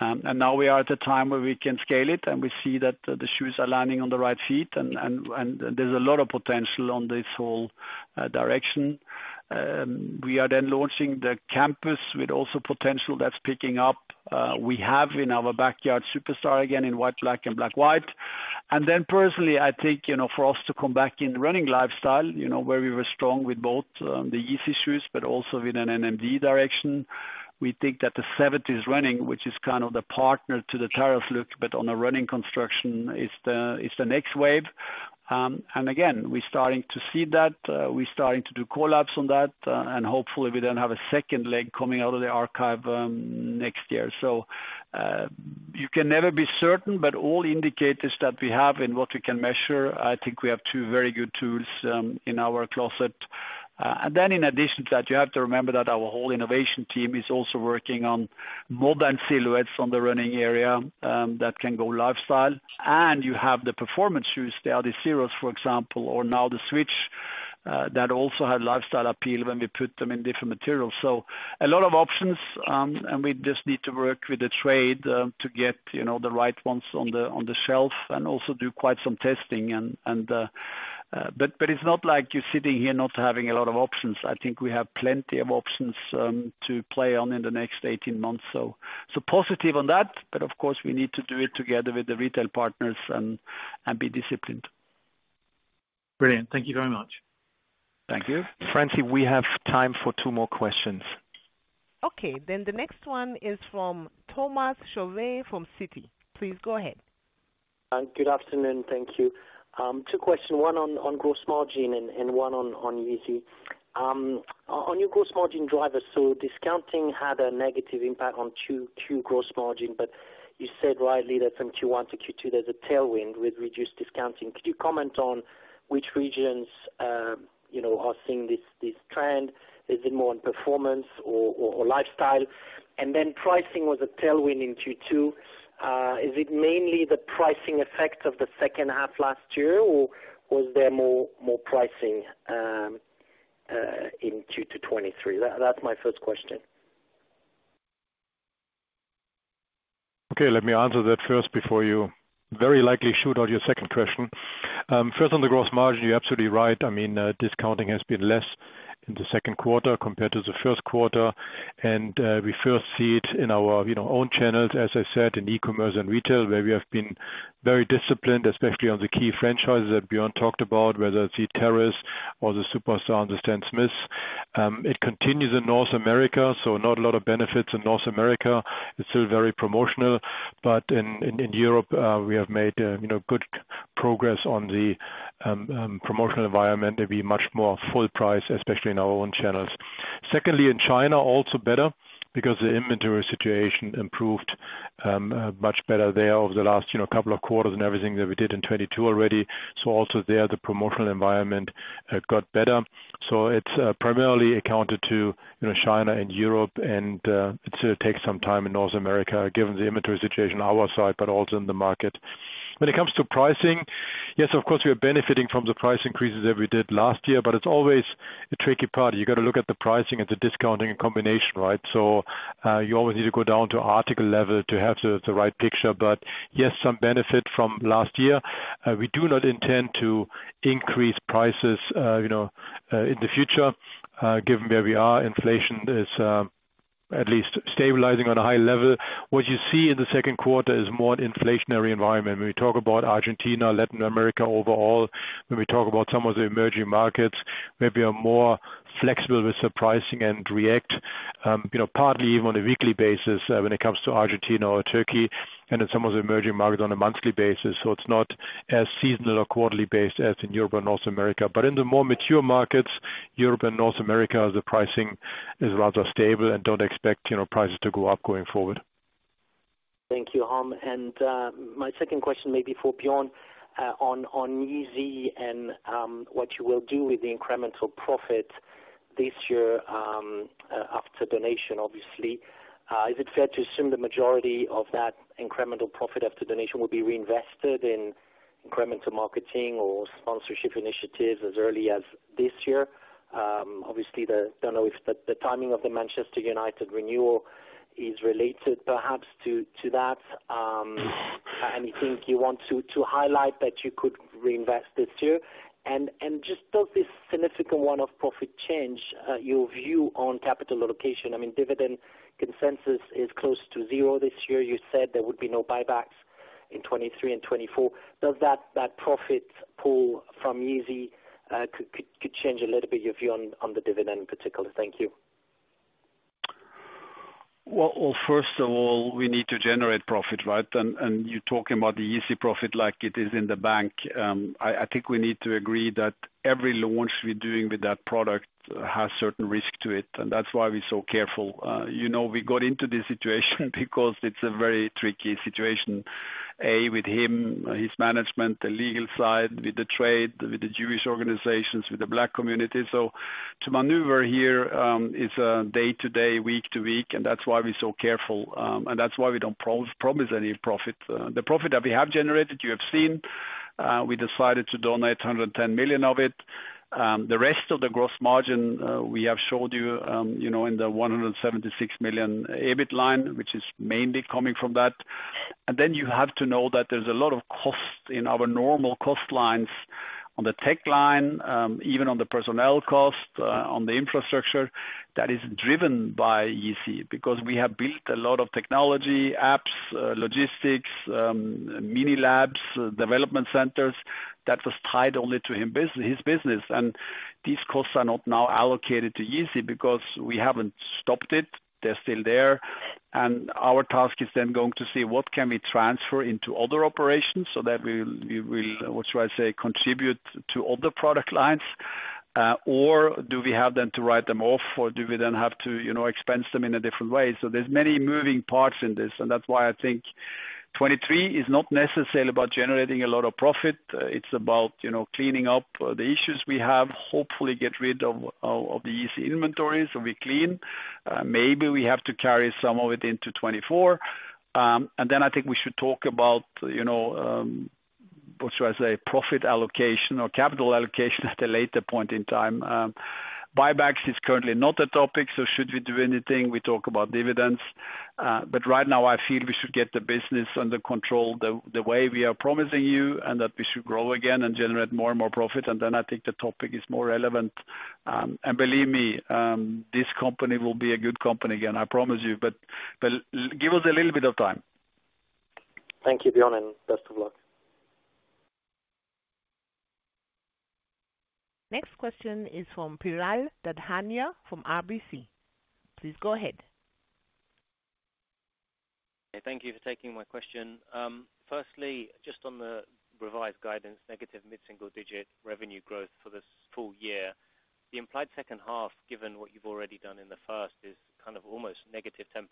Now we are at a time where we can scale it, and we see that the shoes are landing on the right feet, and there's a lot of potential on this whole direction. We are launching the Campus with also potential that's picking up. We have in our backyard Superstar again in white, black, and black, white. Personally, I think, you know, for us to come back in running lifestyle, you know, where we were strong with both the Yeezy shoes, but also with an NMD direction. We think that the 70s Running, which is kind of the partner to the Terrace look, but on a running construction, is the, is the next wave. Again, we're starting to see that, we're starting to do collabs on that, and hopefully we then have a second leg coming out of the archive, next year. You can never be certain, but all indicators that we have and what we can measure, I think we have two very good tools, in our closet. In addition to that, you have to remember that our whole innovation team is also working on more than silhouettes on the running area that can go lifestyle. You have the performance shoes, the Adizeros, for example, or now the Adidas Switch, that also had lifestyle appeal when we put them in different materials. A lot of options, and we just need to work with the trade to get, you know, the right ones on the shelf, and also do quite some testing. But it's not like you're sitting here not having a lot of options. I think we have plenty of options to play on in the next 18 months. So positive on that, but of course, we need to do it together with the retail partners and be disciplined. Brilliant. Thank you very much. Thank you. Francie, we have time for two more questions. Okay, the next one is from Thomas Chauvet from Citi. Please go ahead. Good afternoon. Thank you. Two questions, one on gross margin and one on Yeezy. On your gross margin drivers, so discounting had a negative impact on Q-Q gross margin, but you said rightly that from Q1 to Q2, there's a tailwind with reduced discounting. Could you comment on which regions, you know, are seeing this trend? Is it more on performance or, or, or lifestyle? And then pricing was a tailwind in Q2. Is it mainly the pricing effect of the second half last year, or was there more pricing in Q2 2023? That, that's my first question. Okay, let me answer that first before you very likely shoot out your second question. First, on the gross margin, you're absolutely right. I mean, discounting has been less in the second quarter compared to the first quarter, and we first see it in our, you know, own channels, as I said, in e-commerce and retail, where we have been very disciplined, especially on the key franchises that Bjørn talked about, whether it's the Terrace or the Superstar and the Stan Smith. It continues in North America, so not a lot of benefits in North America. It's still very promotional, but in, in, in Europe, we have made, you know, good progress on the promotional environment to be much more full price, especially in our own channels. Secondly, in China, also better because the inventory situation improved, much better there over the last, you know, couple of quarters and everything that we did in 2022 already. Also there, the promotional environment got better. It's primarily accounted to, you know, China and Europe, it still takes some time in North America, given the inventory situation on our side, but also in the market. When it comes to pricing, yes, of course, we are benefiting from the price increases that we did last year, but it's always a tricky part. You've got to look at the pricing and the discounting in combination, right? You always need to go down to article level to have the, the right picture. Yes, some benefit from last year. We do not intend to increase prices, you know, in the future, given where we are, inflation is at least stabilizing on a high level. What you see in the second quarter is a more inflationary environment. When we talk about Argentina, Latin America overall, when we talk about some of the emerging markets, maybe are more flexible with the pricing and react, you know, partly even on a weekly basis, when it comes to Argentina or Turkey, and in some of the emerging markets on a monthly basis. It's not as seasonal or quarterly based as in Europe and North America. In the more mature markets, Europe and North America, the pricing is rather stable and don't expect, you know, prices to go up going forward. Thank you, Harm. My second question, maybe for Bjørn, on Yeezy and what you will do with the incremental profit this year after donation, obviously. Is it fair to assume the majority of that incremental profit after donation will be reinvested in incremental marketing or sponsorship initiatives as early as this year? Obviously, don't know if the timing of the Manchester United renewal is related perhaps to that, anything you want to highlight that you could reinvest this year? Just does this significant one-off profit change your view on capital allocation? I mean, dividend consensus is close to zero this year. You said there would be no buybacks in 2023 and 2024. Does that profit pull from Yeezy could change a little bit your view on, on the dividend in particular? Thank you. Well, well, first of all, we need to generate profit, right? And you're talking about the Yeezy profit like it is in the bank. I, I think we need to agree that every launch we're doing with that product has certain risk to it, and that's why we're so careful. You know, we got into this situation because it's a very tricky situation, A, with him, his management, the legal side, with the trade, with the Jewish organizations, with the Black community. To maneuver here is a day to day, week to week, and that's why we're so careful, and that's why we don't promise any profit. The profit that we have generated, you have seen.... We decided to donate 110 million of it. The rest of the gross margin, we have showed you, you know, in the 176 million EBIT line, which is mainly coming from that. You have to know that there's a lot of costs in our normal cost lines, on the tech line, even on the personnel cost, on the infrastructure, that is driven by Yeezy, because we have built a lot of technology apps, logistics, mini labs, development centers, that was tied only to his business. These costs are not now allocated to Yeezy because we haven't stopped it. They're still there, and our task is then going to see what can we transfer into other operations so that we, we will, what should I say, contribute to other product lines? Do we have them to write them off, or do we then have to, you know, expense them in a different way? There's many moving parts in this, and that's why I think 2023 is not necessarily about generating a lot of profit. It's about, you know, cleaning up, the issues we have, hopefully get rid of, of, of the Yeezy inventories, so we clean. Maybe we have to carry some of it into 2024. Then I think we should talk about, you know, what should I say? Profit allocation or capital allocation at a later point in time. Buybacks is currently not a topic. Should we do anything, we talk about dividends. Right now I feel we should get the business under control, the, the way we are promising you, and that we should grow again and generate more and more profit, and then I think the topic is more relevant. Believe me, this company will be a good company again, I promise you, but, but give us a little bit of time. Thank you, Bjørn, and best of luck. Next question is from Piral Dadhania, from RBC. Please go ahead. Thank you for taking my question. Firstly, just on the revised guidance, negative mid-single digit revenue growth for this full year. The implied second half, given what you've already done in the first, is kind of almost negative 10%.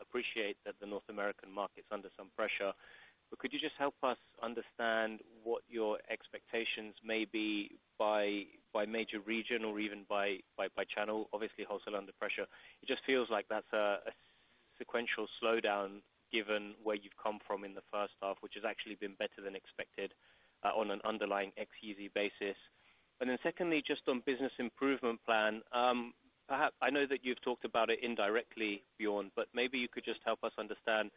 Appreciate that the North American market's under some pressure, but could you just help us understand what your expectations may be by, by major region or even by, by, by channel? Obviously, wholesale under pressure. It just feels like that's a sequential slowdown, given where you've come from in the first half, which has actually been better than expected, on an underlying ex Yeezy basis. Secondly, just on business improvement plan, perhaps... I know that you've talked about it indirectly, Bjørn, but maybe you could just help us understand,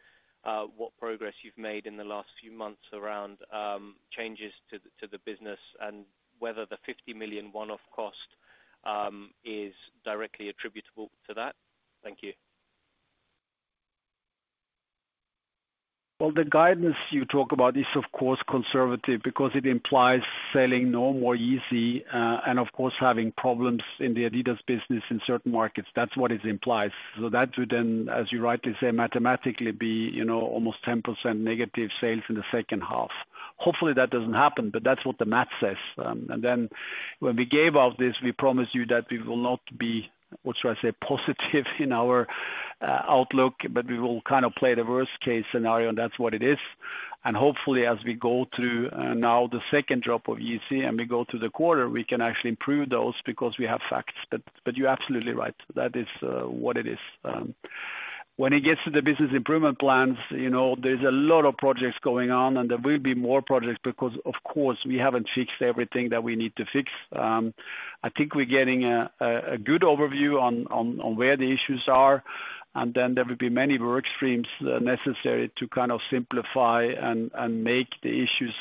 what progress you've made in the last few months around, changes to the, to the business, and whether the 50 million one-off cost, is directly attributable to that. Thank you. The guidance you talk about is, of course, conservative, because it implies selling no more Yeezy, and of course, having problems in the adidas business in certain markets. That's what it implies. That would then, as you rightly say, mathematically be, you know, almost 10% negative sales in the second half. Hopefully, that doesn't happen, but that's what the math says. And then when we gave out this, we promised you that we will not be, what should I say, positive in our outlook, but we will kind of play the worst case scenario, and that's what it is. And hopefully, as we go through, now the second drop of Yeezy and we go through the quarter, we can actually improve those because we have facts. But you're absolutely right, that is what it is. When it gets to the business improvement plans, you know, there's a lot of projects going on, and there will be more projects because, of course, we haven't fixed everything that we need to fix. I think we're getting a good overview on where the issues are, and then there will be many work streams necessary to kind of simplify and make the issues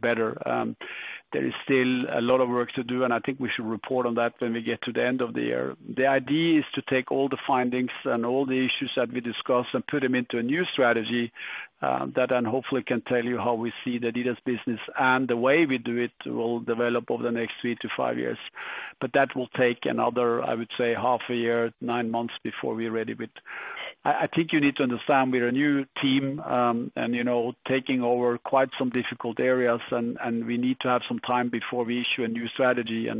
better. There is still a lot of work to do, and I think we should report on that when we get to the end of the year. The idea is to take all the findings and all the issues that we discussed and put them into a new strategy that then hopefully can tell you how we see the adidas business, and the way we do it will develop over the next 3 to 5 years. That will take another, I would say, half a year, 9 months before we're ready with... I, I think you need to understand we're a new team, and, you know, taking over quite some difficult areas, we need to have some time before we issue a new strategy,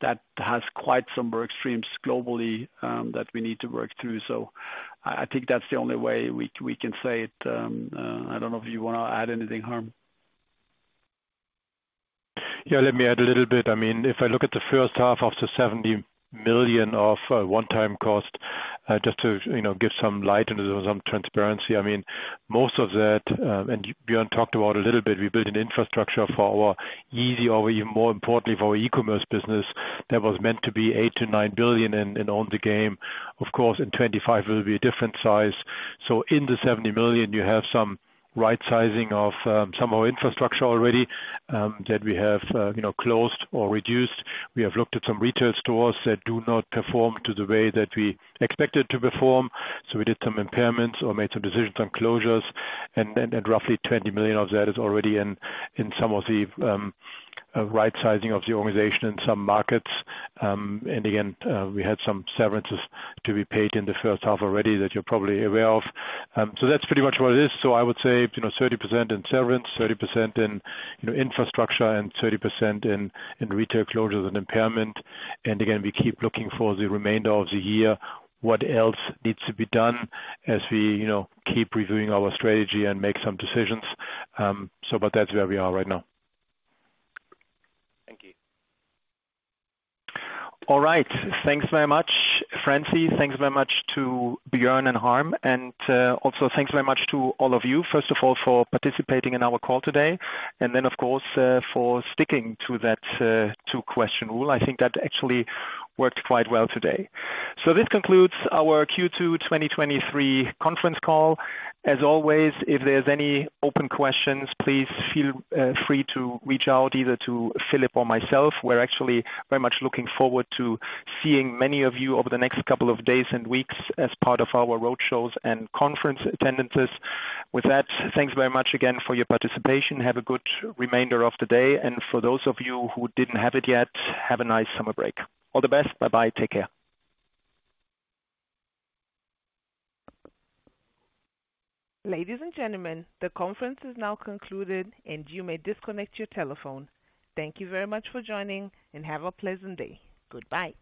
that has quite some work streams globally that we need to work through. I, I think that's the only way we, we can say it. I don't know if you wanna add anything, Harm? Yeah, let me add a little bit. I mean, if I look at the first half of the 70 million of one-time cost, just to, you know, give some light into it, some transparency, I mean, most of that, and Bjørn talked about a little bit, we built an infrastructure for our Yeezy or even more importantly, for our e-commerce business. That was meant to be 8 billion-9 billion in, in all the game. Of course, in 2025, it will be a different size. So in the 70 million, you have some right sizing of some of our infrastructure already, that we have, you know, closed or reduced. We have looked at some retail stores that do not perform to the way that we expect it to perform. We did some impairments or made some decisions on closures, and roughly 20 million of that is already in some of the right-sizing of the organization in some markets. Again, we had some severances to be paid in the first half already, that you're probably aware of. That's pretty much what it is. I would say, you know, 30% in severance, 30% in, you know, infrastructure, and 30% in retail closures and impairment. Again, we keep looking for the remainder of the year, what else needs to be done, as we, you know, keep reviewing our strategy and make some decisions. That's where we are right now. Thank you. All right. Thanks very much, Francie. Thanks very much to Bjørn and Harm, and also thanks very much to all of you. First of all, for participating in our call today, and then, of course, for sticking to that two-question rule. I think that actually worked quite well today. This concludes our Q2 2023 conference call. As always, if there's any open questions, please feel free to reach out, either to Philip or myself. We're actually very much looking forward to seeing many of you over the next couple of days and weeks as part of our roadshows and conference attendances. With that, thanks very much again for your participation. Have a good remainder of the day, and for those of you who didn't have it yet, have a nice summer break. All the best. Bye-bye. Take care. Ladies and gentlemen, the conference is now concluded, and you may disconnect your telephone. Thank you very much for joining, and have a pleasant day. Goodbye.